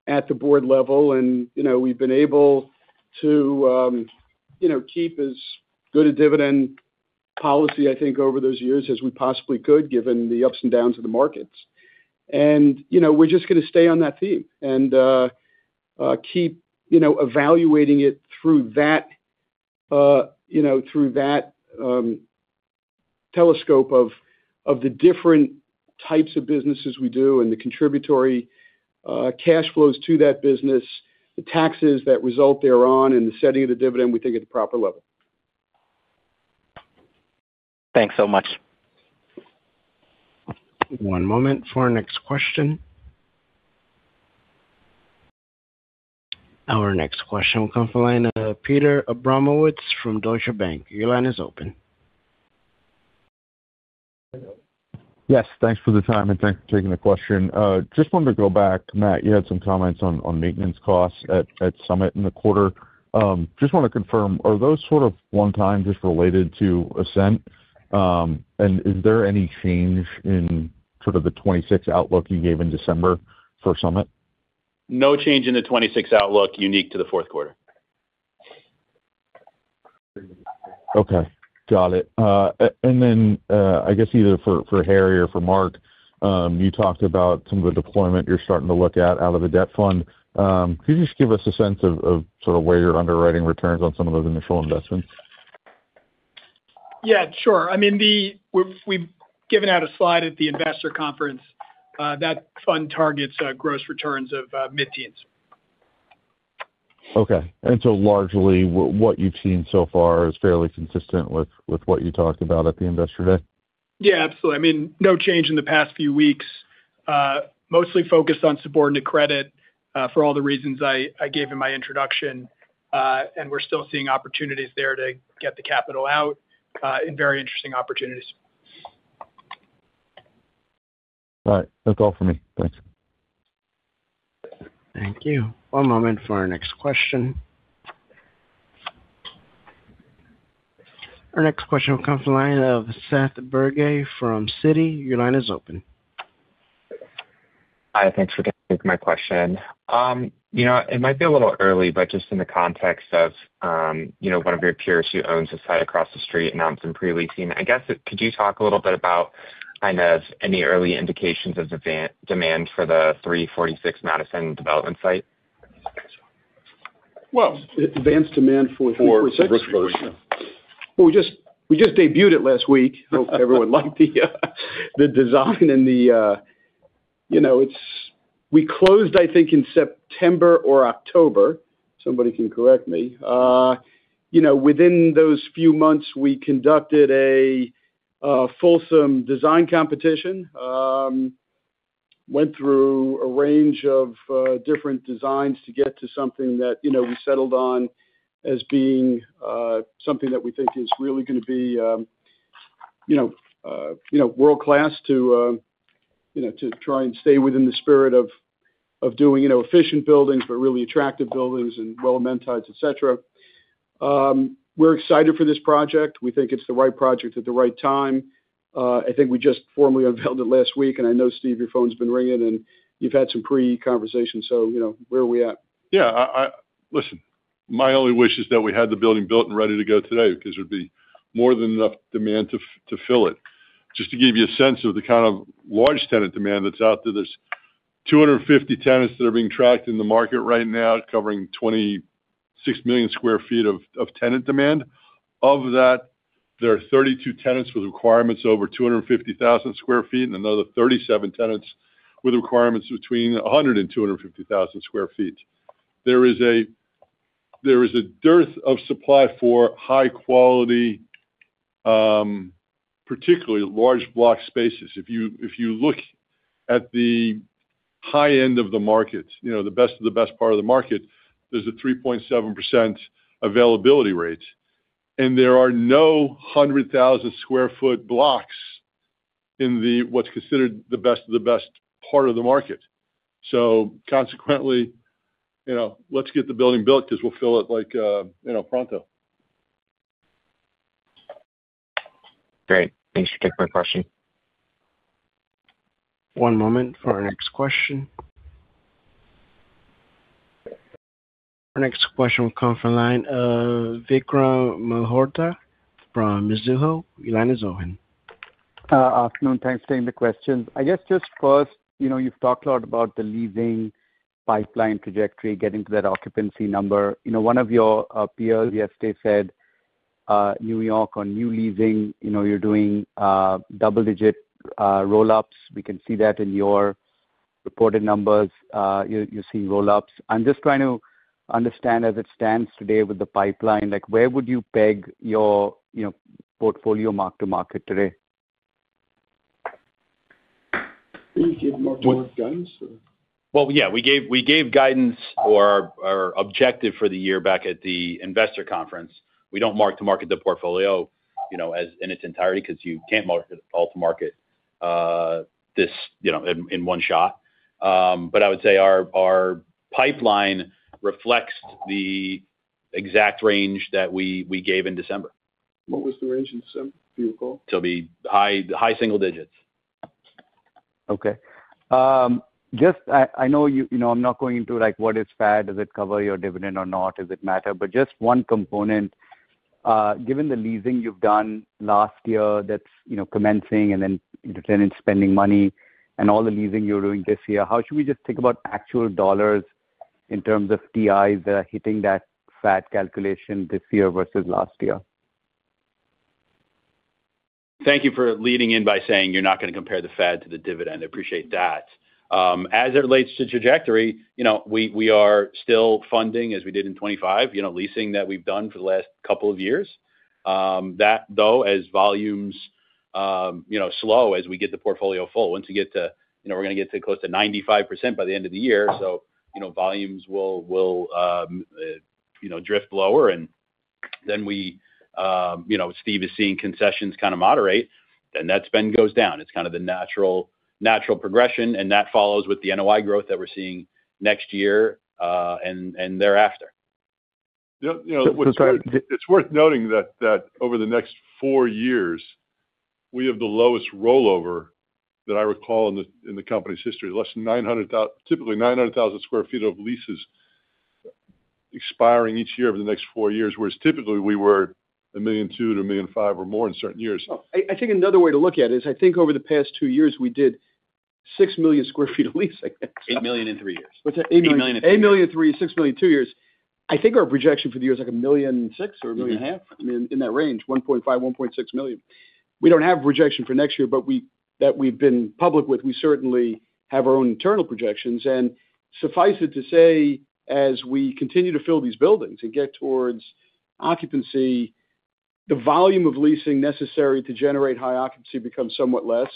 at the board level and, you know, we've been able to, you know, keep as good a dividend policy. I think, over those years as we possibly could, given the ups and downs of the markets. And, you know, we're just going to stay on that theme and keep, you know, evaluating it through that, you know, through that telescope of the different types of businesses we do and the contributory cash flows to that business, the taxes that result thereon, and the setting of the dividend, we think, at the proper level. Thanks so much. One moment for our next question. Our next question will come from the line of Peter Abramowitz from Deutsche Bank. Your line is open. Yes, thanks for the time, and thanks for taking the question. Just wanted to go back. Matt, you had some comments on maintenance costs at Summit in the quarter. Just want to confirm, are those sort of one-time just related to Ascent? And is there any change in sort of the 2026 outlook you gave in December for Summit? No change in the 2026 outlook unique to the fourth quarter. Okay, got it. And then, I guess either for Harry or for Marc, you talked about some of the deployment you're starting to look at out of the debt fund. Could you just give us a sense of sort of where you're underwriting returns on some of those initial investments? Yeah, sure. I mean, we've given out a slide at the investor conference that fund targets gross returns of mid-teens. Okay. And so largely, what you've seen so far is fairly consistent with what you talked about at the Investor Day? Yeah, absolutely. I mean, no change in the past few weeks. Mostly focused on subordinate credit, for all the reasons I gave in my introduction. And we're still seeing opportunities there to get the capital out, and very interesting opportunities. All right. That's all for me. Thanks. Thank you. One moment for our next question. Our next question will come from the line of Seth Bergey from Citi. Your line is open. Hi, thanks for taking my question. You know, it might be a little early, but just in the context of you know, one of your peers who owns a site across the street, and now it's in pre-leasing. I guess, could you talk a little bit about kind of any early indications of demand for the 346 Madison Avenue development site? Well, advanced demand for 346. For this version. Well, we just debuted it last week. I hope everyone liked the design and, you know, it's. We closed, I think, in September or October. Somebody can correct me. You know, within those few months, we conducted a fulsome design competition, went through a range of different designs to get to something that, you know, we settled on as being something that we think is really going to be, you know, world-class to, you know, to try and stay within the spirit of doing, you know, efficient buildings, but really attractive buildings and well-amenitized, et cetera. We're excited for this project. We think it's the right project at the right time. I think we just formally unveiled it last week, and I know, Steve, your phone's been ringing, and you've had some pre-conversation, so, you know, where are we at? Yeah, I Listen, my only wish is that we had the building built and ready to go today, because there'd be more than enough demand to fill it. Just to give you a sense of the kind of large tenant demand that's out there, there are 250 tenants that are being tracked in the market right now, covering 26 million sq ft of tenant demand. Of that, there are 32 tenants with requirements over 250,000 sq ft, and another 37 tenants with requirements between 100,000 and 250,000 sq ft. There is a dearth of supply for high quality, particularly large block spaces. If you, if you look at the high end of the market, you know, the best of the best part of the market, there's a 3.7% availability rate, and there are no 100,000 sq ft blocks in what's considered the best of the best part of the market. So consequently, you know, let's get the building built because we'll fill it like, you know, pronto. Great. Thanks for taking my question. One moment for our next question. Our next question will come from the line of Vikram Malhotra from Mizuho. Your line is open. Afternoon. Thanks for taking the questions. I guess just first, you know, you've talked a lot about the leasing pipeline trajectory, getting to that occupancy number. You know, one of your peers yesterday said, New York, on new leasing, you know, you're doing double-digit roll-ups. We can see that in your reported numbers. You're seeing roll-ups. I'm just trying to understand as it stands today with the pipeline, like, where would you peg your, you know, portfolio mark-to-market today? Did we give mark-to-market guidance, or? Well, yeah, we gave, we gave guidance or our, our objective for the year back at the investor conference. We don't mark to market the portfolio, you know, as in its entirety, because you can't mark it all to market, you know, in one shot. But I would say our, our pipeline reflects the exact range that we, we gave in December. What was the range in December? Do you recall? It'll be high, high single digits. Okay. Just, I know you know, I'm not going into like, what is FAD? Does it cover your dividend or not? Does it matter? But just one component, given the leasing you've done last year, that's, you know, commencing and then the tenant spending money and all the leasing you're doing this year, how should we just think about actual dollars in terms of TIs that are hitting that FAD calculation this year versus last year? Thank you for leading in by saying you're not going to compare the FAD to the dividend. I appreciate that. As it relates to trajectory, you know, we are still funding, as we did in 25, you know, leasing that we've done for the last couple of years. That though, as volumes slow as we get the portfolio full, once we get to, you know, we're going to get to close to 95% by the end of the year. So, you know, volumes will drift lower, and then we, you know, Steve is seeing concessions kind of moderate, then that spend goes down. It's kind of the natural progression, and that follows with the NOI growth that we're seeing next year, and thereafter. Yep, you know, it's worth noting that over the next four years, we have the lowest rollover that I recall in the company's history. Less than 900,000 – typically 900,000 sq ft of leases expiring each year over the next four years, whereas typically we were 1.2 million-1.5 million or more in certain years. I think another way to look at it is, I think over the past two years, we did 6 million sq ft of leasing. $8 million in three years. What's that? Eight million, $8 million in three years, $6 million in two years. I think our projection for the year is like $1.6 million or $1.5 million. Mm-hmm. I mean, in that range, $1.5 million-$1.6 million. We don't have a projection for next year, but we, that we've been public with. We certainly have our own internal projections, and suffice it to say, as we continue to fill these buildings and get towards occupancy, the volume of leasing necessary to generate high occupancy becomes somewhat less.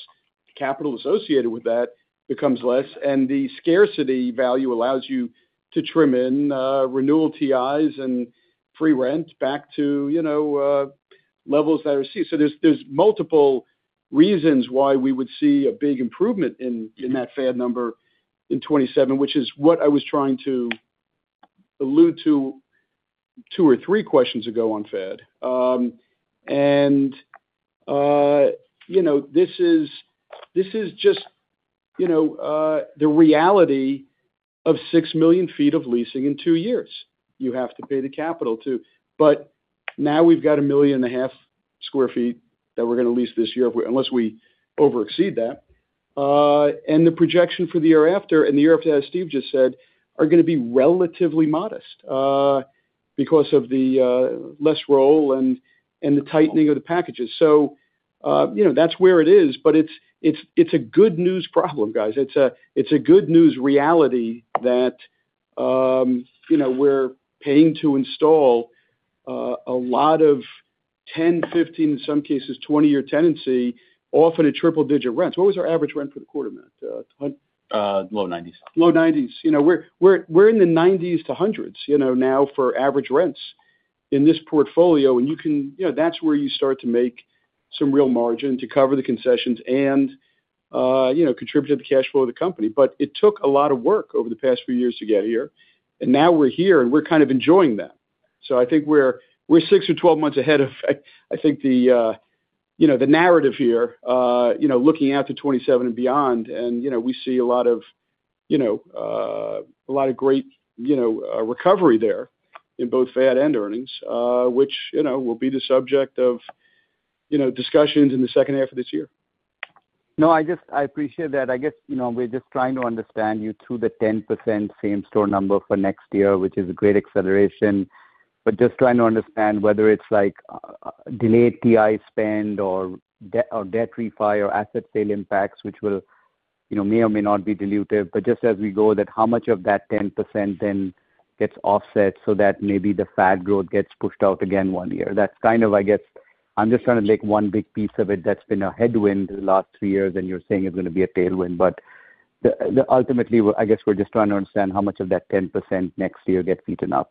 The capital associated with that becomes less, and the scarcity value allows you to trim in renewal TIs and free rent back to, you know, levels that are seen. So there's multiple reasons why we would see a big improvement in that FAD number in 2027, which is what I was trying to allude to two or three questions ago on FAD. And, you know, this is, this is just, you know, the reality of 6 million sq ft of leasing in 2 years. You have to pay the capital, too. But now we've got 1.5 million square feet that we're going to lease this year, unless we over exceed that. And the projection for the year after, and the year after, as Steve just said, are going to be relatively modest, because of the less roll and the tightening of the packages. So, you know, that's where it is, but it's, it's, it's a good news problem, guys. It's a good news reality that, you know, we're paying to install a lot of 10-, 15-, in some cases, 20-year tenancy, often at triple-digit rents. What was our average rent for the quarter, Matt? Low 90s. Low 90s. You know, we're in the 90s to 100s, you know, now for average rents in this portfolio, and you can. You know, that's where you start to make some real margin to cover the concessions and, you know, contribute to the cash flow of the company. But it took a lot of work over the past few years to get here, and now we're here, and we're kind of enjoying that. So I think we're six or 12 months ahead of, I think the narrative here, you know, looking out to 2027 and beyond, and, you know, we see a lot of a lot of great recovery there in both FAD and earnings, which, you know, will be the subject of discussions in the second half of this year. No, I just. I appreciate that. I guess, you know, we're just trying to understand you through the 10% same store number for next year, which is a great acceleration, but just trying to understand whether it's like, delayed TI spend or de- or debt refi or asset sale impacts, which will, you know, may or may not be dilutive. But just as we go, that how much of that 10% then gets offset so that maybe the FAD growth gets pushed out again one year? That's kind of, I guess, I'm just trying to make one big piece of it that's been a headwind the last three years, and you're saying it's going to be a tailwind. But the, the ultimately, I guess we're just trying to understand how much of that 10% next year gets eaten up.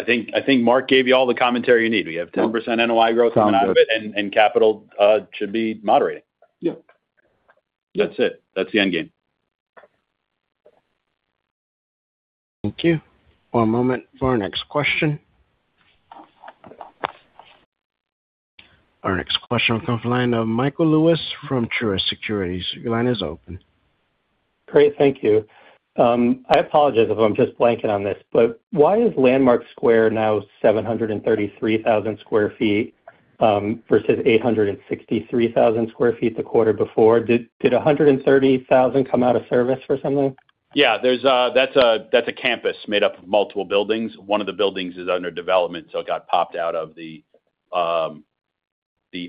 I think, I think Marc gave you all the commentary you need. We have 10% NOI growth coming out of it, and, and capital should be moderating. Yeah. That's it. That's the end game. Thank you. One moment for our next question. Our next question comes from the line of Michael Lewis from Truist Securities. Your line is open. Great, thank you. I apologize if I'm just blanking on this, but why is Landmark Square now 733,000 sq ft, versus 863,000 sq ft the quarter before? Did a 130,000 come out of service or something? Yeah, that's a campus made up of multiple buildings. One of the buildings is under development, so it got popped out of the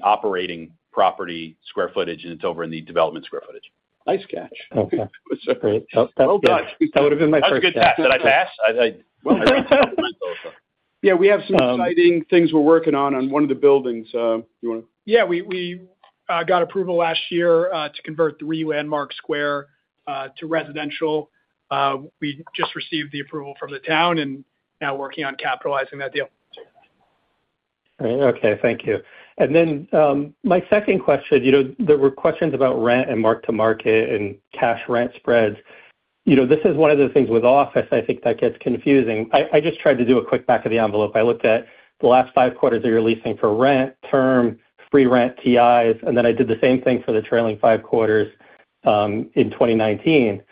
operating property square footage, and it's over in the development square footage. Nice catch. Okay, great. That'll do it. That would have been my first guess. That was a good pass. Did I pass? Yeah, we have some exciting things we're working on, on one of the buildings. You want to Yeah, we got approval last year to convert Three Landmark Square to residential. We just received the approval from the town and now working on capitalizing that deal. Okay, thank you. And then, my second question, you know, there were questions about rent and mark to market and cash rent spreads. You know, this is one of the things with office, I think that gets confusing. I, I just tried to do a quick back of the envelope. I looked at the last five quarters that you're leasing for rent, term, free rent, TIs, and then I did the same thing for the trailing five quarters in 2019.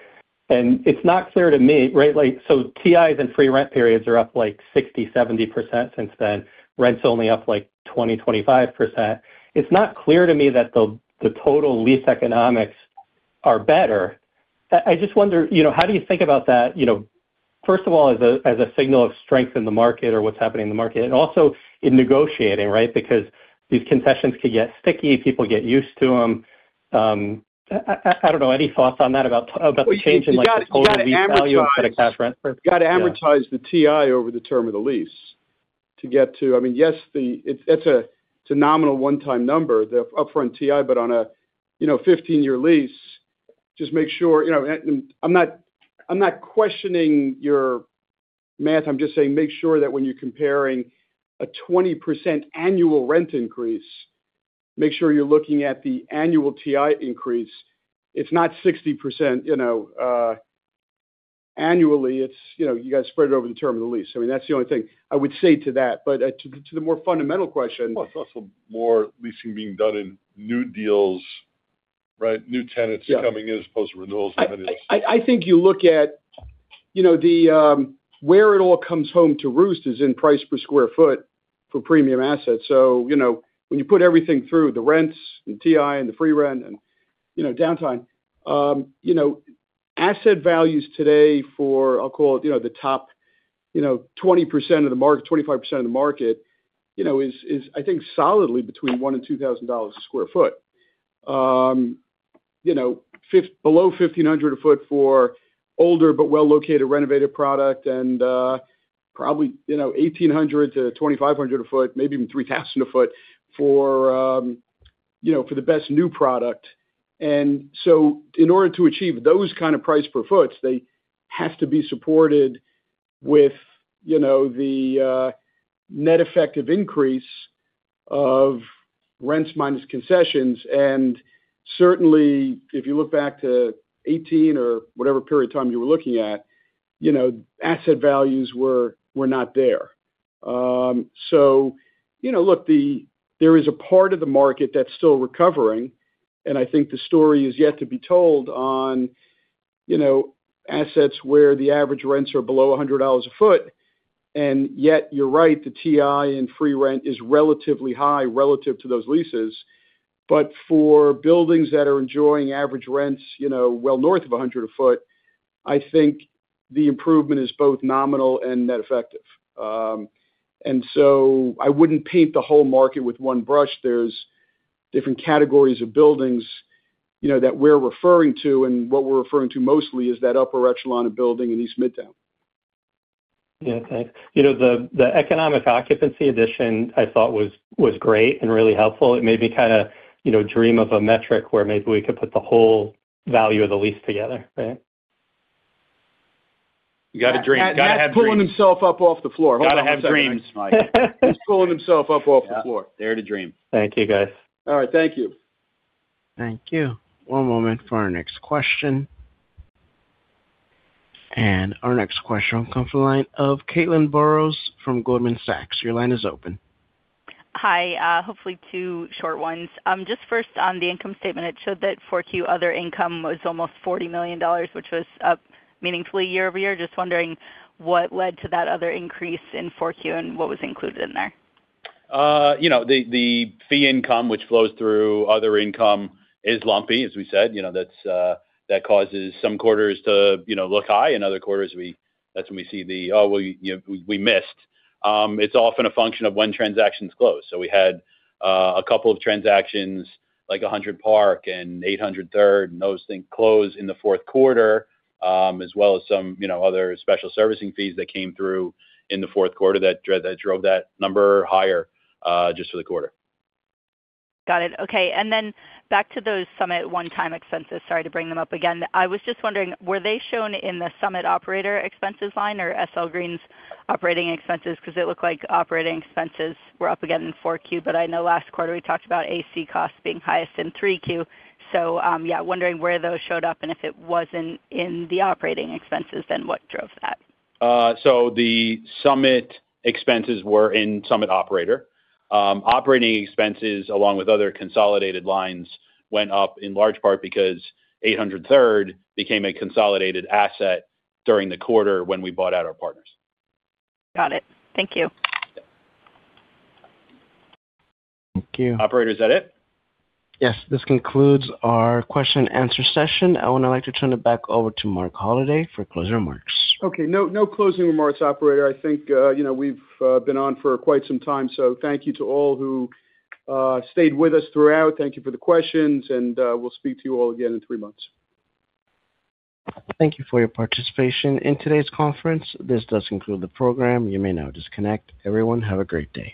It's not clear to me, right, like, so TIs and free rent periods are up, like, 60%-70% since then. Rent's only up, like, 20%-25%. It's not clear to me that the, the total lease economics are better. I, I just wonder, you know, how do you think about that? You know, first of all, as a, as a signal of strength in the market or what's happening in the market, and also in negotiating, right? Because these concessions can get sticky, people get used to them. I don't know, any thoughts on that, about, about the change in, like, the total lease value instead of cash rent? You've got to amortize the TI over the term of the lease to get to I mean, yes, the, it's, that's a phenomenal one-time number, the upfront TI, but on a, you know, 15-year lease, just make sure, you know I'm not, I'm not questioning your math. I'm just saying, make sure that when you're comparing a 20% annual rent increase, make sure you're looking at the annual TI increase. It's not 60%, you know, annually. It's, you know, you got to spread it over the term of the lease. I mean, that's the only thing I would say to that. But, to the, to the more fundamental question- Well, it's also more leasing being done in new deals, right? New tenants- Yeah. coming in as opposed to renewals, and that is- I think you look at, you know, the where it all comes home to roost is in price per square foot for premium assets. So, you know, when you put everything through the rents, the TI, and the free rent and, you know, downtime, you know, asset values today for, I'll call it, you know, the top, you know, 20% of the market, 25% of the market, you know, is I think solidly between $1,000 and $2,000 a sq ft. You know, below $1,500 a sq ft for older, but well-located renovated product and, probably, you know, $1,800-$2,500 a sq ft, maybe even $3,000 a sq ft, for, you know, for the best new product. And so in order to achieve those kind of price per foot, they have to be supported with, you know, the net effective increase of rents minus concessions. And certainly, if you look back to 18 or whatever period of time you were looking at, you know, asset values were not there. So, you know, look, the there is a part of the market that's still recovering, and I think the story is yet to be told on, you know, assets where the average rents are below $100 a foot. And yet, you're right, the TI and free rent is relatively high relative to those leases. But for buildings that are enjoying average rents, you know, well, north of $100 a foot, I think the improvement is both nominal and net effective. And so I wouldn't paint the whole market with one brush. There's different categories of buildings, you know, that we're referring to, and what we're referring to mostly is that upper echelon of building in East Midtown. Yeah, thanks. You know, the economic occupancy addition I thought was great and really helpful. It made me kind of, you know, dream of a metric where maybe we could put the whole value of the lease together, right? You got to dream. Gotta have dreams. Matt's pulling himself up off the floor. Gotta have dreams. He's pulling himself up off the floor. There to dream. Thank you, guys. All right, thank you. Thank you. One moment for our next question. Our next question will come from the line of Caitlin Burrows from Goldman Sachs. Your line is open. Hi, hopefully two short ones. Just first, on the income statement, it showed that Q4 other income was almost $40 million, which was up meaningfully year-over-year. Just wondering what led to that other increase in Q4 and what was included in there? You know, the fee income, which flows through other income, is lumpy, as we said. You know, that's that causes some quarters to, you know, look high, and other quarters, that's when we see the, "Oh, well, you know, we missed." It's often a function of when transactions close. So we had a couple of transactions, like 100 Park and 800 Third, and those things closed in the fourth quarter, as well as some, you know, other special servicing fees that came through in the fourth quarter that drove that number higher, just for the quarter. Got it. Okay, and then back to those Summit one-time expenses. Sorry to bring them up again. I was just wondering, were they shown in the Summit operator expenses line or SL Green's operating expenses? Because it looked like operating expenses were up again in 4Q, but I know last quarter we talked about AC costs being highest in 3Q. So, yeah, wondering where those showed up, and if it wasn't in the operating expenses, then what drove that? So the Summit expenses were in Summit Operator. Operating expenses, along with other consolidated lines, went up in large part because 800 Third Avenue became a consolidated asset during the quarter when we bought out our partners. Got it. Thank you. Thank you. Operator, is that it? Yes, this concludes our question and answer session. I would like to turn it back over to Marc Holliday for closing remarks. Okay. No, no closing remarks, operator. I think, you know, we've been on for quite some time, so thank you to all who stayed with us throughout. Thank you for the questions, and we'll speak to you all again in three months. Thank you for your participation in today's conference. This does conclude the program. You may now disconnect. Everyone, have a great day.